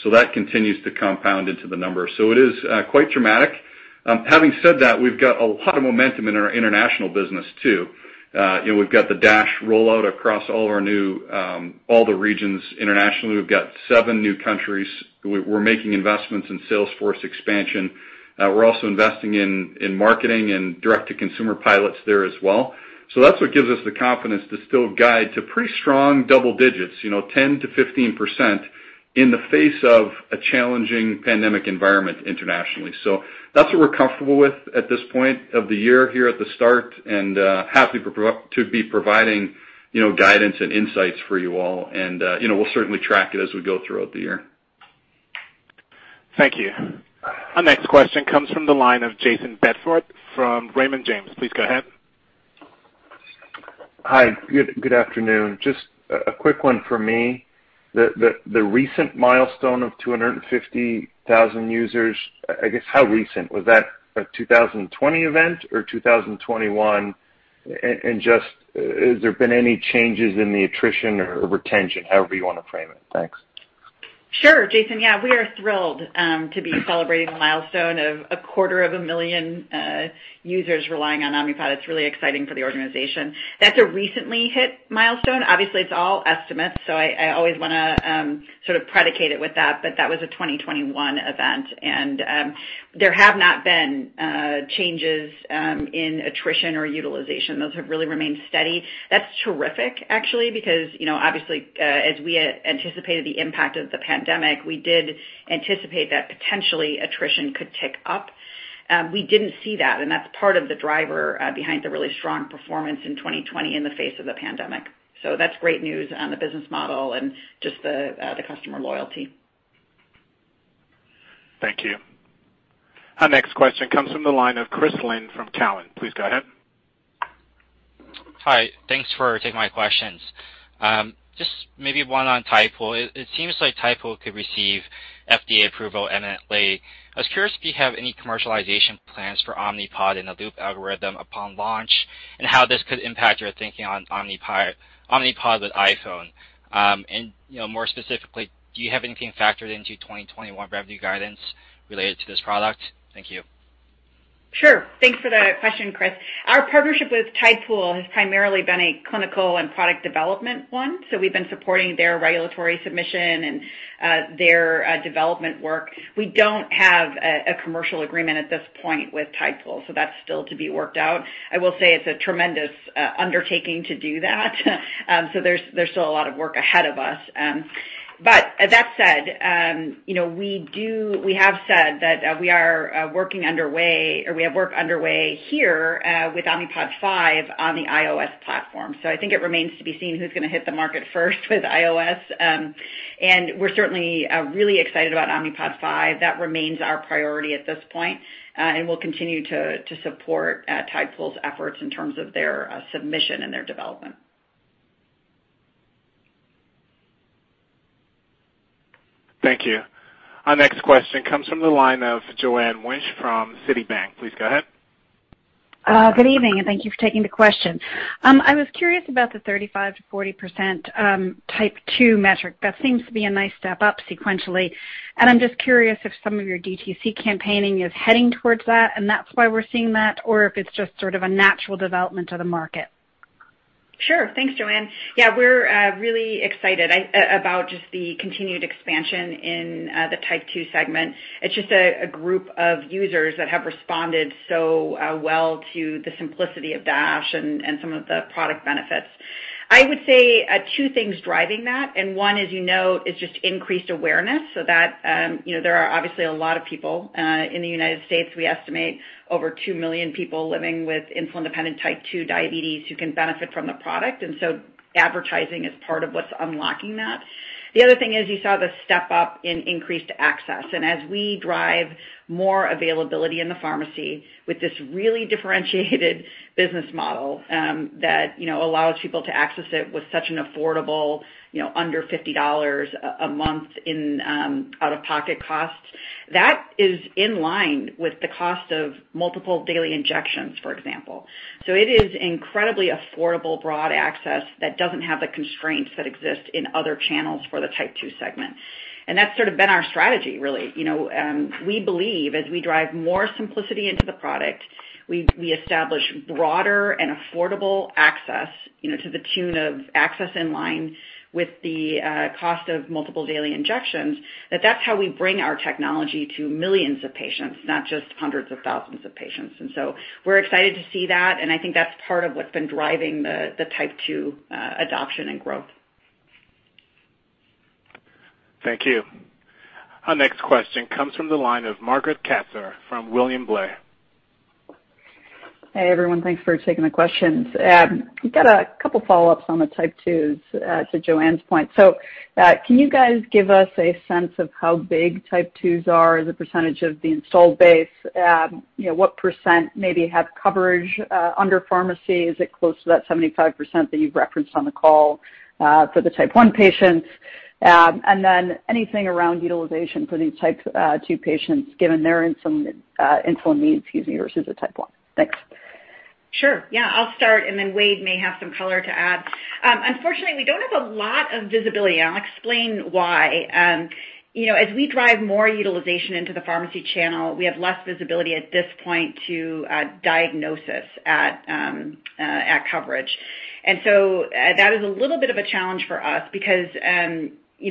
So that continues to compound into the number. So it is quite dramatic. Having said that, we've got a lot of momentum in our international business too. We've got the DASH rollout across all our new, all the regions internationally. We've got seven new countries. We're making investments in sales force expansion. We're also investing in marketing and direct-to-consumer pilots there as well. So that's what gives us the confidence to still guide to pretty strong double digits, 10%-15% in the face of a challenging pandemic environment internationally. So that's what we're comfortable with at this point of the year here at the start, and happy to be providing guidance and insights for you all. And we'll certainly track it as we go throughout the year. Thank you. Our next question comes from the line of Jayson Bedford from Raymond James. Please go ahead. Hi. Good afternoon. Just a quick one for me. The recent milestone of 250,000 users, I guess, how recent? Was that a 2020 event or 2021? And just has there been any changes in the attrition or retention, however you want to frame it? Thanks. Sure, Jayson. Yeah, we are thrilled to be celebrating the milestone of 250,000 users relying on Omnipod. It's really exciting for the organization. That's a recently hit milestone. Obviously, it's all estimates, so I always want to sort of predicate it with that. But that was a 2021 event, and there have not been changes in attrition or utilization. Those have really remained steady. That's terrific, actually, because obviously, as we anticipated the impact of the pandemic, we did anticipate that potentially attrition could tick up. We didn't see that, and that's part of the driver behind the really strong performance in 2020 in the face of the pandemic. So that's great news on the business model and just the customer loyalty. Thank you. Our next question comes from the line of Chris Lin from Cowen. Please go ahead. Hi. Thanks for taking my questions. Just maybe one on Tidepool. It seems like Tidepool could receive FDA approval imminently. I was curious if you have any commercialization plans for Omnipod and the Loop algorithm upon launch and how this could impact your thinking on Omnipod with iPhone. And more specifically, do you have anything factored into 2021 revenue guidance related to this product? Thank you. Sure. Thanks for the question, Chris. Our partnership with Tidepool has primarily been a clinical and product development one. So we've been supporting their regulatory submission and their development work. We don't have a commercial agreement at this point with Tidepool, so that's still to be worked out. I will say it's a tremendous undertaking to do that. So there's still a lot of work ahead of us. But that said, we have said that we are working underway, or we have work underway here with Omnipod 5 on the iOS platform. So I think it remains to be seen who's going to hit the market first with iOS. And we're certainly really excited about Omnipod 5. That remains our priority at this point, and we'll continue to support Tidepool's efforts in terms of their submission and their development. Thank you. Our next question comes from the line of Joanne Wuensch from Citibank. Please go ahead. Good evening, and thank you for taking the question. I was curious about the 35%-40% Type 2 metric. That seems to be a nice step up sequentially. And I'm just curious if some of your DTC campaigning is heading towards that, and that's why we're seeing that, or if it's just sort of a natural development of the market. Sure. Thanks, Joanne. Yeah, we're really excited about just the continued expansion in the Type 2 segment. It's just a group of users that have responded so well to the simplicity of DASH and some of the product benefits. I would say two things driving that. And one is, you know, it's just increased awareness. So that there are obviously a lot of people in the United States. We estimate over 2 million people living with insulin-dependent Type 2 diabetes who can benefit from the product. And so advertising is part of what's unlocking that. The other thing is you saw the step up in increased access. And as we drive more availability in the pharmacy with this really differentiated business model that allows people to access it with such an affordable, under $50 a month in out-of-pocket costs, that is in line with the cost of multiple daily injections, for example. So it is incredibly affordable broad access that doesn't have the constraints that exist in other channels for the Type 2 segment. And that's sort of been our strategy, really. We believe as we drive more simplicity into the product, we establish broader and affordable access to the tune of access in line with the cost of multiple daily injections, that that's how we bring our technology to millions of patients, not just hundreds of thousands of patients. And so we're excited to see that, and I think that's part of what's been driving the Type 2 adoption and growth. Thank you. Our next question comes from the line of Margaret Kaczor from William Blair. Hey, everyone. Thanks for taking the questions. We've got a couple of follow-ups on the Type 2s, to Joanne's point. So can you guys give us a sense of how big Type 2s are as a percentage of the installed base? What percent maybe have coverage under pharmacy? Is it close to that 75% that you've referenced on the call for the Type 1 patients? And then anything around utilization for these Type 2 patients, given their insulin needs, excuse me, versus a Type 1? Thanks. Sure. Yeah, I'll start, and then Wayde may have some color to add. Unfortunately, we don't have a lot of visibility. I'll explain why. As we drive more utilization into the pharmacy channel, we have less visibility at this point to diagnosis and coverage, and so that is a little bit of a challenge for us because,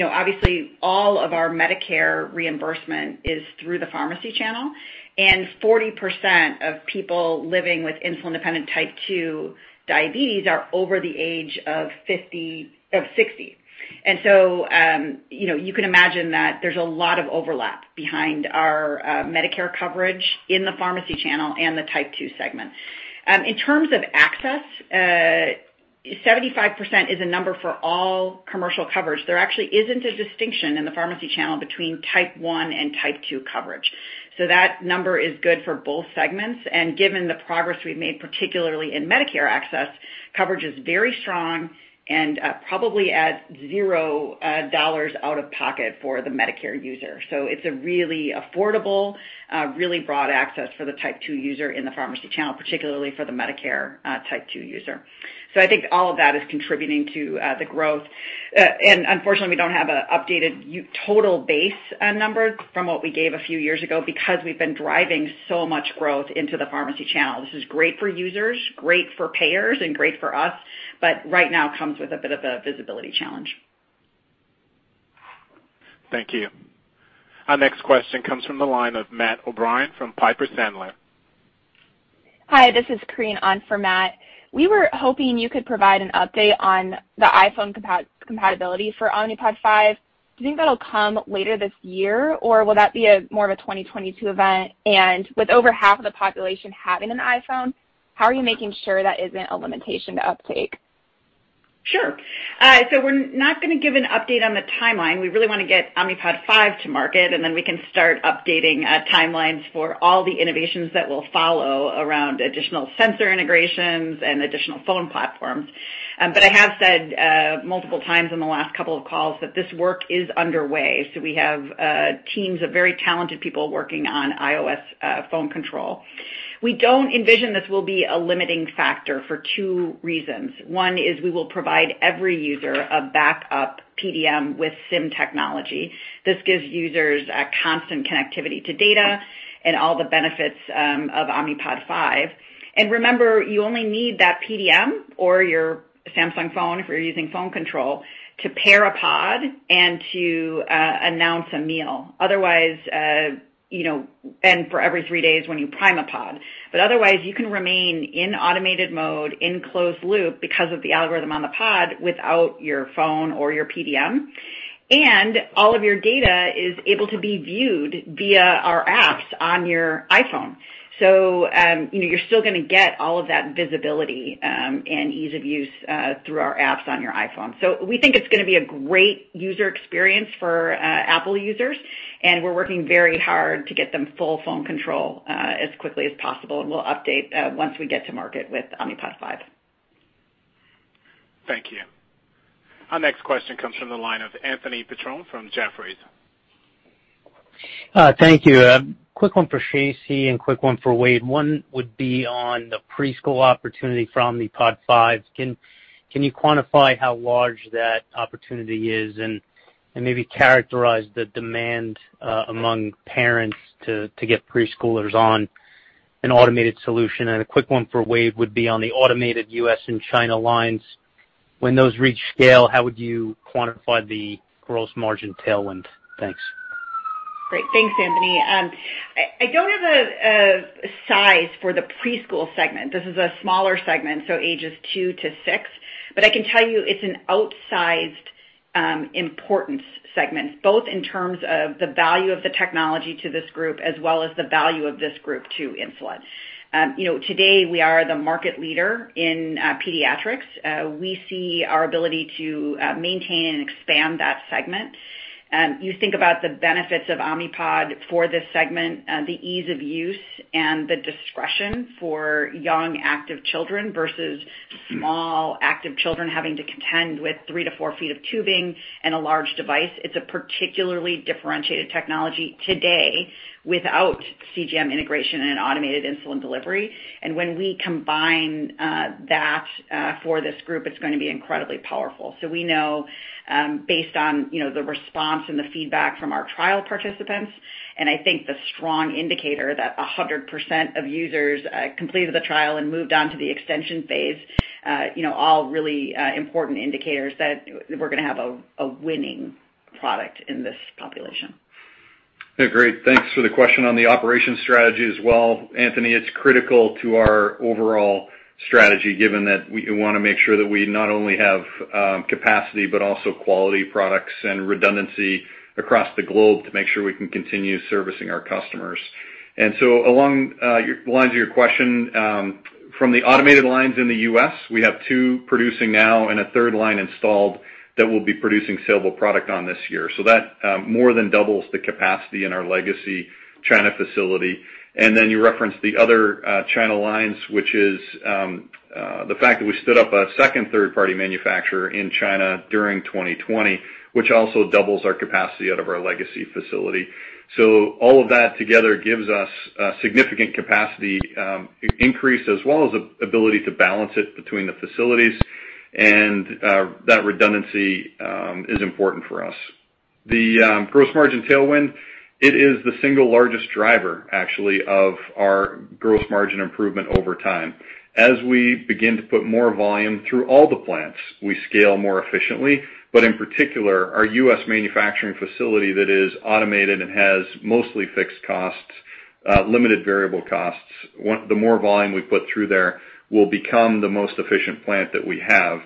obviously, all of our Medicare reimbursement is through the pharmacy channel, and 40% of people living with insulin-dependent Type 2 diabetes are over the age of 60, and so you can imagine that there's a lot of overlap between our Medicare coverage in the pharmacy channel and the Type 2 segment. In terms of access, 75% is a number for all commercial coverage. There actually isn't a distinction in the pharmacy channel between Type 1 and Type 2 coverage, so that number is good for both segments. And given the progress we've made, particularly in Medicare access, coverage is very strong and probably at $0 out-of-pocket for the Medicare user. So it's a really affordable, really broad access for the Type 2 user in the pharmacy channel, particularly for the Medicare Type 2 user. So I think all of that is contributing to the growth. And unfortunately, we don't have an updated total base number from what we gave a few years ago because we've been driving so much growth into the pharmacy channel. This is great for users, great for payers, and great for us, but right now comes with a bit of a visibility challenge. Thank you. Our next question comes from the line of Matt O'Brien from Piper Sandler. Hi, this is Korinne on for Matt. We were hoping you could provide an update on the iPhone compatibility for Omnipod 5. Do you think that'll come later this year, or will that be more of a 2022 event? And with over half of the population having an iPhone, how are you making sure that isn't a limitation to uptake? Sure. So we're not going to give an update on the timeline. We really want to get Omnipod 5 to market, and then we can start updating timelines for all the innovations that will follow around additional sensor integrations and additional phone platforms. But I have said multiple times in the last couple of calls that this work is underway. So we have teams of very talented people working on iOS phone control. We don't envision this will be a limiting factor for two reasons. One is we will provide every user a backup PDM with SIM technology. This gives users constant connectivity to data and all the benefits of Omnipod 5. And remember, you only need that PDM or your Samsung phone, if you're using phone control, to pair a pod and to announce a meal. Otherwise, and for every three days when you prime a pod. But otherwise, you can remain in automated mode, in closed-loop because of the algorithm on the pod without your phone or your PDM. And all of your data is able to be viewed via our apps on your iPhone. So you're still going to get all of that visibility and ease of use through our apps on your iPhone. So we think it's going to be a great user experience for Apple users, and we're working very hard to get them full phone control as quickly as possible. And we'll update once we get to market with Omnipod 5. Thank you. Our next question comes from the line of Anthony Petrone from Jefferies. Thank you. Quick one for Shacey and quick one for Wayde. One would be on the preschool opportunity for Omnipod 5. Can you quantify how large that opportunity is and maybe characterize the demand among parents to get preschoolers on an automated solution? And a quick one for Wayde would be on the automated U.S. and China lines. When those reach scale, how would you quantify the gross margin tailwind? Thanks. Great. Thanks, Anthony. I don't have a size for the preschool segment. This is a smaller segment, so ages two to six. But I can tell you it's an outsized importance segment, both in terms of the value of the technology to this group as well as the value of this group to Insulet. Today, we are the market leader in pediatrics. We see our ability to maintain and expand that segment. You think about the benefits of Omnipod for this segment, the ease of use, and the discretion for young active children versus small active children having to contend with three to four feet of tubing and a large device. It's a particularly differentiated technology today without CGM integration and automated insulin delivery, and when we combine that for this group, it's going to be incredibly powerful. So we know, based on the response and the feedback from our trial participants, and I think the strong indicator that 100% of users completed the trial and moved on to the extension phase, all really important indicators that we're going to have a winning product in this population. Hey, great. Thanks for the question on the operations strategy as well. Anthony, it's critical to our overall strategy, given that we want to make sure that we not only have capacity but also quality products and redundancy across the globe to make sure we can continue servicing our customers, and so along the lines of your question, from the automated lines in the U.S., we have two producing now and a third line installed that will be producing saleable product online this year, so that more than doubles the capacity in our legacy China facility, and then you referenced the other China lines, which is the fact that we stood up a second third-party manufacturer in China during 2020, which also doubles our capacity out of our legacy facility. So all of that together gives us a significant capacity increase as well as the ability to balance it between the facilities, and that redundancy is important for us. The gross margin tailwind, it is the single largest driver, actually, of our gross margin improvement over time. As we begin to put more volume through all the plants, we scale more efficiently. But in particular, our U.S. manufacturing facility that is automated and has mostly fixed costs, limited variable costs, the more volume we put through there will become the most efficient plant that we have.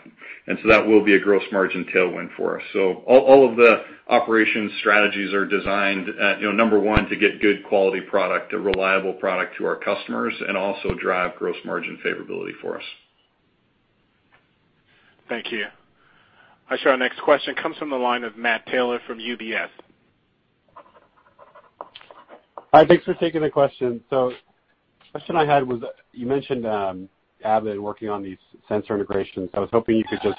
And so that will be a gross margin tailwind for us. So all of the operation strategies are designed, number one, to get good quality product, a reliable product to our customers, and also drive gross margin favorability for us. Thank you. Our next question comes from the line of Matt Taylor from UBS. Hi, thanks for taking the question. So the question I had was you mentioned Abbott working on these sensor integrations. I was hoping you could just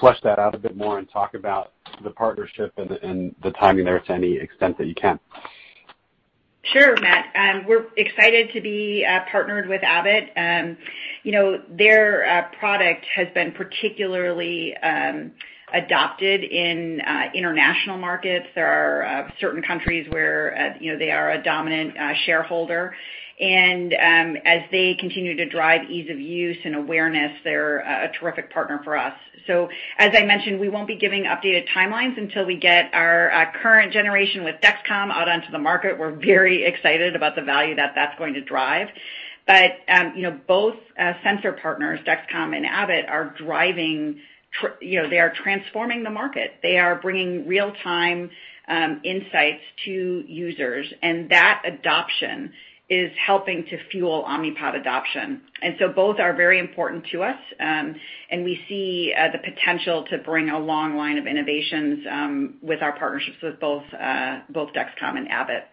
flesh that out a bit more and talk about the partnership and the timing there to any extent that you can. Sure, Matt. We're excited to be partnered with Abbott. Their product has been particularly adopted in international markets. There are certain countries where they are a dominant shareholder, and as they continue to drive ease of use and awareness, they're a terrific partner for us, so as I mentioned, we won't be giving updated timelines until we get our current generation with Dexcom out onto the market. We're very excited about the value that that's going to drive, but both sensor partners, Dexcom and Abbott, are driving. They are transforming the market. They are bringing real-time insights to users, and that adoption is helping to fuel Omnipod adoption, and so both are very important to us, and we see the potential to bring a long line of innovations with our partnerships with both Dexcom and Abbott,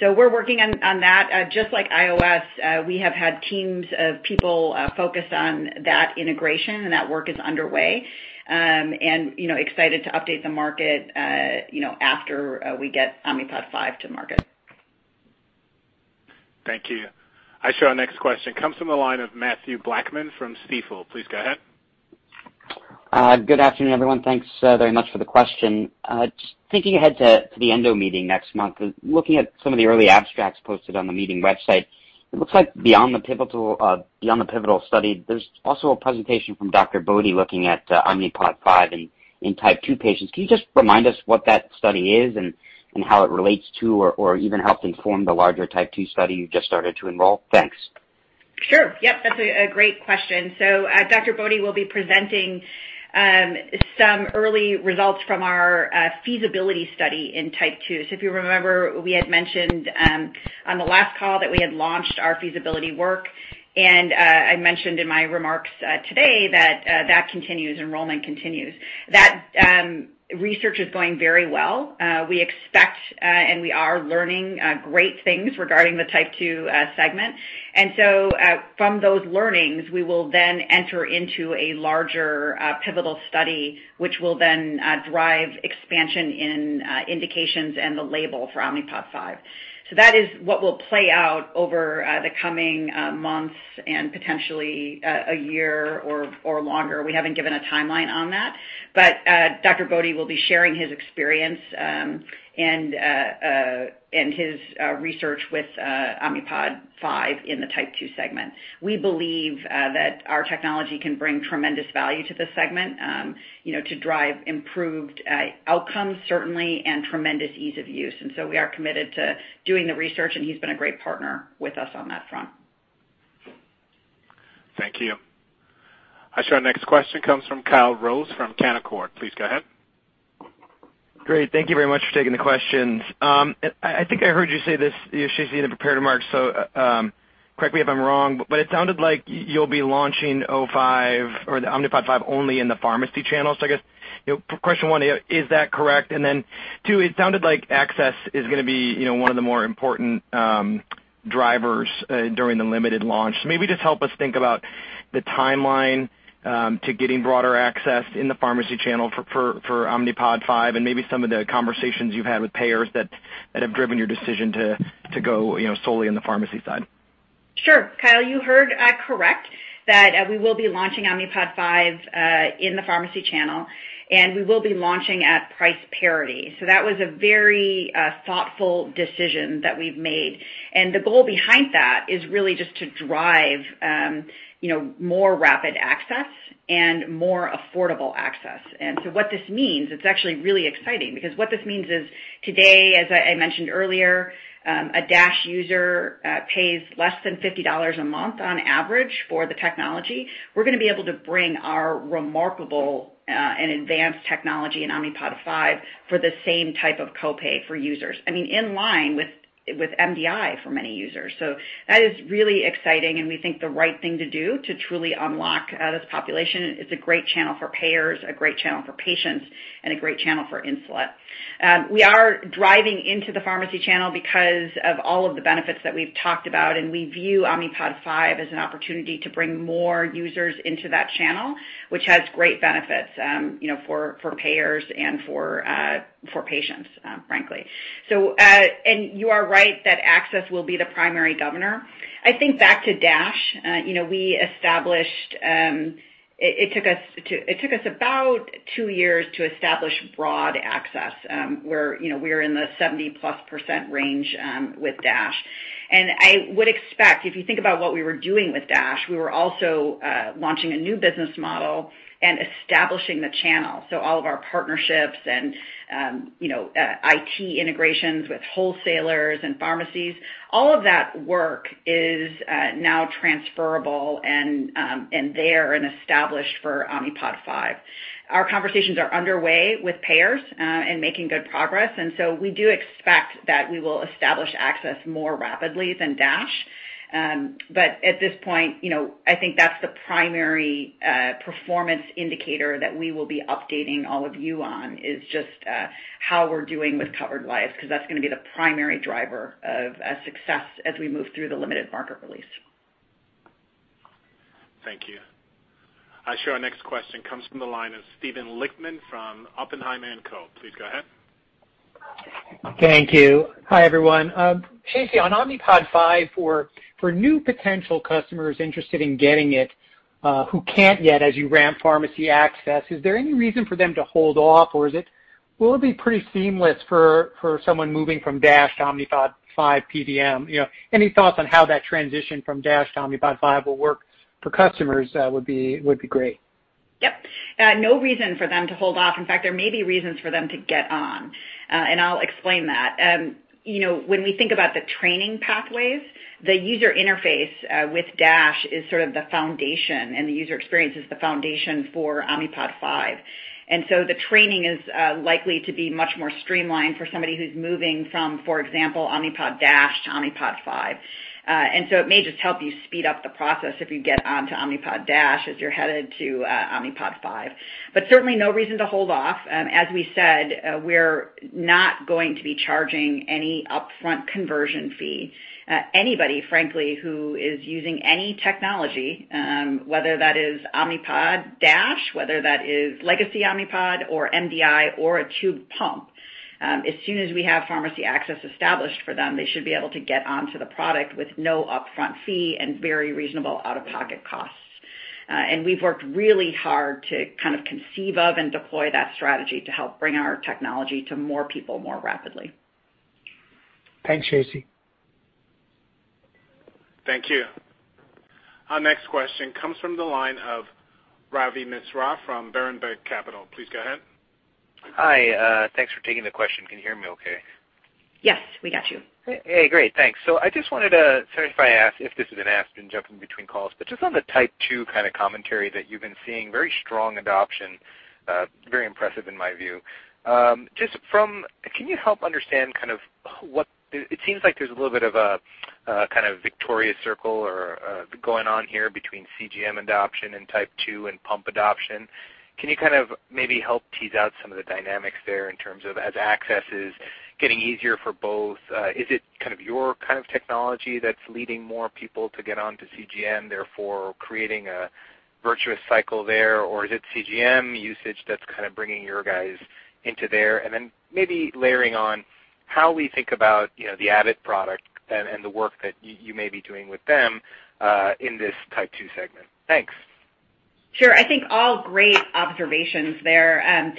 so we're working on that. Just like iOS, we have had teams of people focus on that integration, and that work is underway, and excited to update the market after we get Omnipod 5 to market. Thank you. Our next question comes from the line of Mathew Blackman from Stifel. Please go ahead. Good afternoon, everyone. Thanks very much for the question. Just thinking ahead to the Endo meeting next month, looking at some of the early abstracts posted on the meeting website, it looks like beyond the pivotal study, there's also a presentation from Dr. Bode looking at Omnipod 5 in Type 2 patients. Can you just remind us what that study is and how it relates to or even helped inform the larger Type 2 study you just started to enroll? Thanks. Sure. Yep, that's a great question, so Dr. Bode will be presenting some early results from our feasibility study in Type 2, so if you remember, we had mentioned on the last call that we had launched our feasibility work, and I mentioned in my remarks today that that continues. Enrollment continues. That research is going very well. We expect and we are learning great things regarding the Type 2 segment, and so from those learnings, we will then enter into a larger pivotal study, which will then drive expansion in indications and the label for Omnipod 5, so that is what will play out over the coming months and potentially a year or longer. We haven't given a timeline on that, but Dr. Bode will be sharing his experience and his research with Omnipod 5 in the Type 2 segment. We believe that our technology can bring tremendous value to this segment to drive improved outcomes, certainly, and tremendous ease of use, and so we are committed to doing the research, and he's been a great partner with us on that front. Thank you. Our next question comes from Kyle Rose from Canaccord. Please go ahead. Great. Thank you very much for taking the questions. I think I heard you say this, Shacey, in the prepared remarks. So correct me if I'm wrong, but it sounded like you'll be launching O5 or the Omnipod 5 only in the pharmacy channel. So I guess question one, is that correct? And then two, it sounded like access is going to be one of the more important drivers during the limited launch. So maybe just help us think about the timeline to getting broader access in the pharmacy channel for Omnipod 5 and maybe some of the conversations you've had with payers that have driven your decision to go solely in the pharmacy side. Sure. Kyle, you heard correct that we will be launching Omnipod 5 in the pharmacy channel, and we will be launching at price parity. So that was a very thoughtful decision that we've made. And the goal behind that is really just to drive more rapid access and more affordable access. And so what this means, it's actually really exciting because what this means is today, as I mentioned earlier, a DASH user pays less than $50 a month on average for the technology. We're going to be able to bring our remarkable and advanced technology in Omnipod 5 for the same type of copay for users. I mean, in line with MDI for many users. So that is really exciting, and we think the right thing to do to truly unlock this population. It's a great channel for payers, a great channel for patients, and a great channel for insulin. We are driving into the pharmacy channel because of all of the benefits that we've talked about, and we view Omnipod 5 as an opportunity to bring more users into that channel, which has great benefits for payers and for patients, frankly, and you are right that access will be the primary governor. I think back to DASH, we established it took us about two years to establish broad access where we are in the 70-plus% range with DASH, and I would expect, if you think about what we were doing with DASH, we were also launching a new business model and establishing the channel, so all of our partnerships and IT integrations with wholesalers and pharmacies, all of that work is now transferable and there and established for Omnipod 5. Our conversations are underway with payers and making good progress, and so we do expect that we will establish access more rapidly than DASH, but at this point, I think that's the primary performance indicator that we will be updating all of you on is just how we're doing with covered lives because that's going to be the primary driver of success as we move through the limited market release. Thank you. Our next question comes from the line of Steven Lichtman from Oppenheimer & Co. Please go ahead. Thank you. Hi, everyone. Shacey, on Omnipod 5 for new potential customers interested in getting it who can't yet, as you ramp pharmacy access, is there any reason for them to hold off, or will it be pretty seamless for someone moving from DASH to Omnipod 5 PDM? Any thoughts on how that transition from DASH to Omnipod 5 will work for customers would be great. Yep. No reason for them to hold off. In fact, there may be reasons for them to get on, and I'll explain that. When we think about the training pathways, the user interface with DASH is sort of the foundation, and the user experience is the foundation for Omnipod 5. And so the training is likely to be much more streamlined for somebody who's moving from, for example, Omnipod DASH to Omnipod 5. And so it may just help you speed up the process if you get onto Omnipod DASH as you're headed to Omnipod 5. But certainly, no reason to hold off. As we said, we're not going to be charging any upfront conversion fee. Anybody, frankly, who is using any technology, whether that is Omnipod DASH, whether that is legacy Omnipod or MDI or a tube pump, as soon as we have pharmacy access established for them, they should be able to get onto the product with no upfront fee and very reasonable out-of-pocket costs, and we've worked really hard to kind of conceive of and deploy that strategy to help bring our technology to more people more rapidly. Thanks, Shacey. Thank you. Our next question comes from the line of Ravi Misra from Berenberg Capital. Please go ahead. Hi. Thanks for taking the question. Can you hear me okay? Yes, we got you. Hey, great. Thanks. So I just wanted to, sorry if I ask if this has been asked in jumping between calls, but just on the Type 2 kind of commentary that you've been seeing, very strong adoption, very impressive in my view. Just from, can you help understand kind of what it seems like there's a little bit of a kind of virtuous circle or going on here between CGM adoption and Type 2 and pump adoption. Can you kind of maybe help tease out some of the dynamics there in terms of as access is getting easier for both, is it kind of your kind of technology that's leading more people to get onto CGM, therefore creating a virtuous cycle there, or is it CGM usage that's kind of bringing your guys into there? And then maybe layering on how we think about the Abbott product and the work that you may be doing with them in this Type 2 segment. Thanks. Sure. I think all great observations there.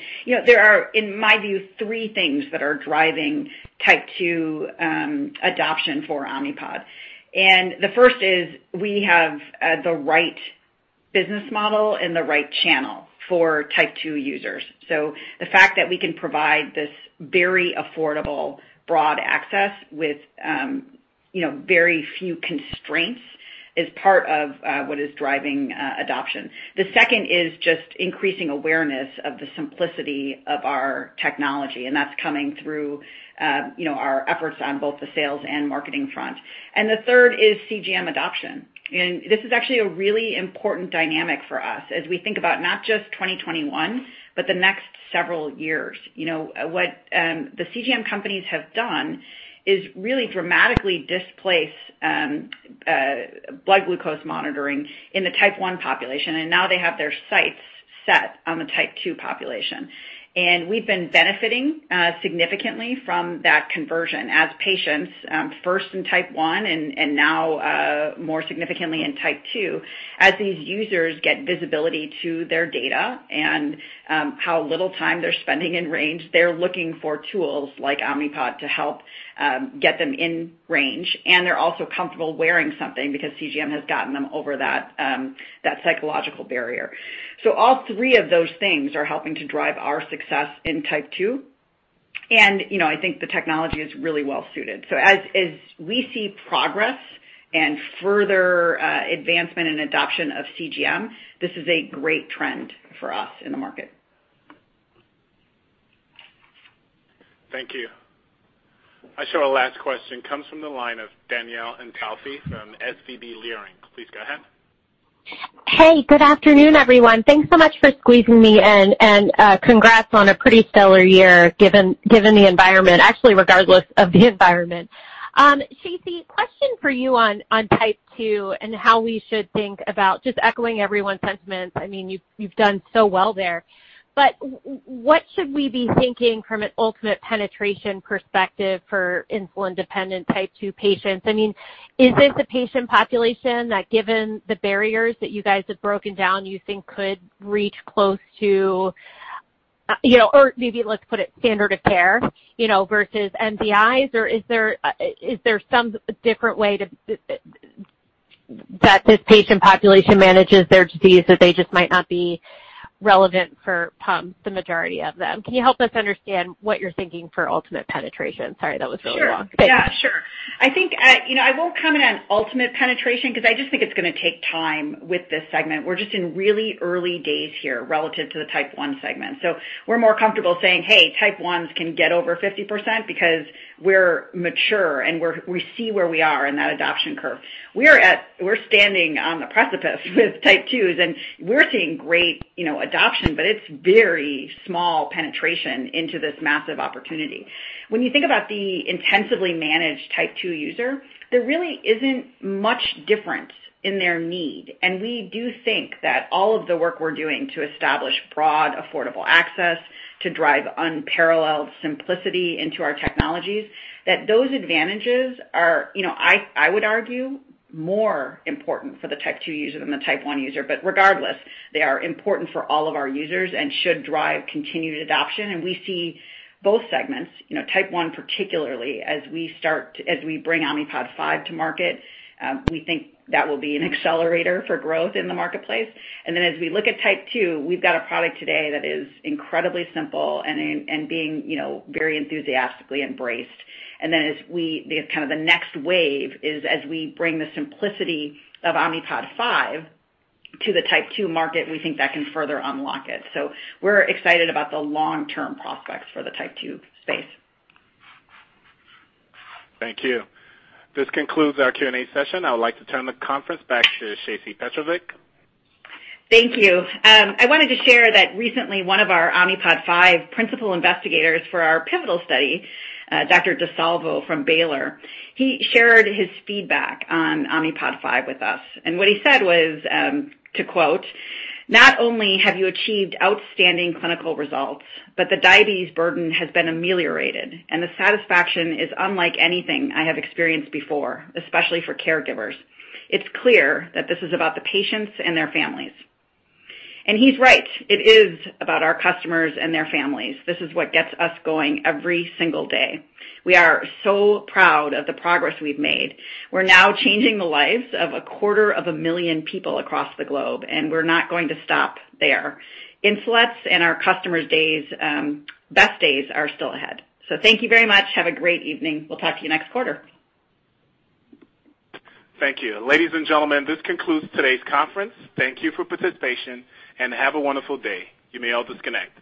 There are, in my view, three things that are driving Type 2 adoption for Omnipod, and the first is we have the right business model and the right channel for Type 2 users, so the fact that we can provide this very affordable broad access with very few constraints is part of what is driving adoption. The second is just increasing awareness of the simplicity of our technology, and that's coming through our efforts on both the sales and marketing front, and the third is CGM adoption, and this is actually a really important dynamic for us as we think about not just 2021, but the next several years. What the CGM companies have done is really dramatically displace blood glucose monitoring in the Type 1 population, and now they have their sights set on the Type 2 population. And we've been benefiting significantly from that conversion as patients, first in Type 1 and now more significantly in Type 2, as these users get visibility to their data and how little time they're spending in range. They're looking for tools like Omnipod to help get them in range, and they're also comfortable wearing something because CGM has gotten them over that psychological barrier. So all three of those things are helping to drive our success in Type 2, and I think the technology is really well suited. So as we see progress and further advancement and adoption of CGM, this is a great trend for us in the market. Thank you. Our last question comes from the line of Danielle Antalffy from SVB Leerink. Please go ahead. Hey, good afternoon, everyone. Thanks so much for squeezing me in, and congrats on a pretty stellar year given the environment, actually regardless of the environment. Shacey, question for you on Type 2 and how we should think about just echoing everyone's sentiments. I mean, you've done so well there. But what should we be thinking from an ultimate penetration perspective for insulin-dependent Type 2 patients? I mean, is this a patient population that, given the barriers that you guys have broken down, you think could reach close to, or maybe let's put it standard of care versus MDIs, or is there some different way that this patient population manages their disease that they just might not be relevant for pumps the majority of them? Can you help us understand what you're thinking for ultimate penetration? Sorry, that was really long. Sure. Yeah, sure. I think I won't comment on ultimate penetration because I just think it's going to take time with this segment. We're just in really early days here relative to the Type 1 segment. So we're more comfortable saying, "Hey, Type 1s can get over 50% because we're mature and we see where we are in that adoption curve." We're standing on the precipice with Type 2s, and we're seeing great adoption, but it's very small penetration into this massive opportunity. When you think about the intensively managed Type 2 user, there really isn't much difference in their need. And we do think that all of the work we're doing to establish broad affordable access, to drive unparalleled simplicity into our technologies, that those advantages are, I would argue, more important for the Type 2 user than the Type 1 user. But regardless, they are important for all of our users and should drive continued adoption. And we see both segments, Type 1 particularly, as we bring Omnipod 5 to market. We think that will be an accelerator for growth in the marketplace. And then as we look at Type 2, we've got a product today that is incredibly simple and being very enthusiastically embraced. And then as we kind of the next wave is as we bring the simplicity of Omnipod 5 to the Type 2 market, we think that can further unlock it. So we're excited about the long-term prospects for the Type 2 space. Thank you. This concludes our Q&A session. I would like to turn the conference back to Shacey Petrovic. Thank you. I wanted to share that recently one of our Omnipod 5 principal investigators for our pivotal study, Dr. DeSalvo from Baylor, he shared his feedback on Omnipod 5 with us. And what he said was, to quote, "Not only have you achieved outstanding clinical results, but the diabetes burden has been ameliorated, and the satisfaction is unlike anything I have experienced before, especially for caregivers. It's clear that this is about the patients and their families." And he's right. It is about our customers and their families. This is what gets us going every single day. We are so proud of the progress we've made. We're now changing the lives of 250,000 people across the globe, and we're not going to stop there. Insulet's and our customers' best days are still ahead. So thank you very much. Have a great evening. We'll talk to you next quarter. Thank you. Ladies and gentlemen, this concludes today's conference. Thank you for participation, and have a wonderful day. You may all disconnect.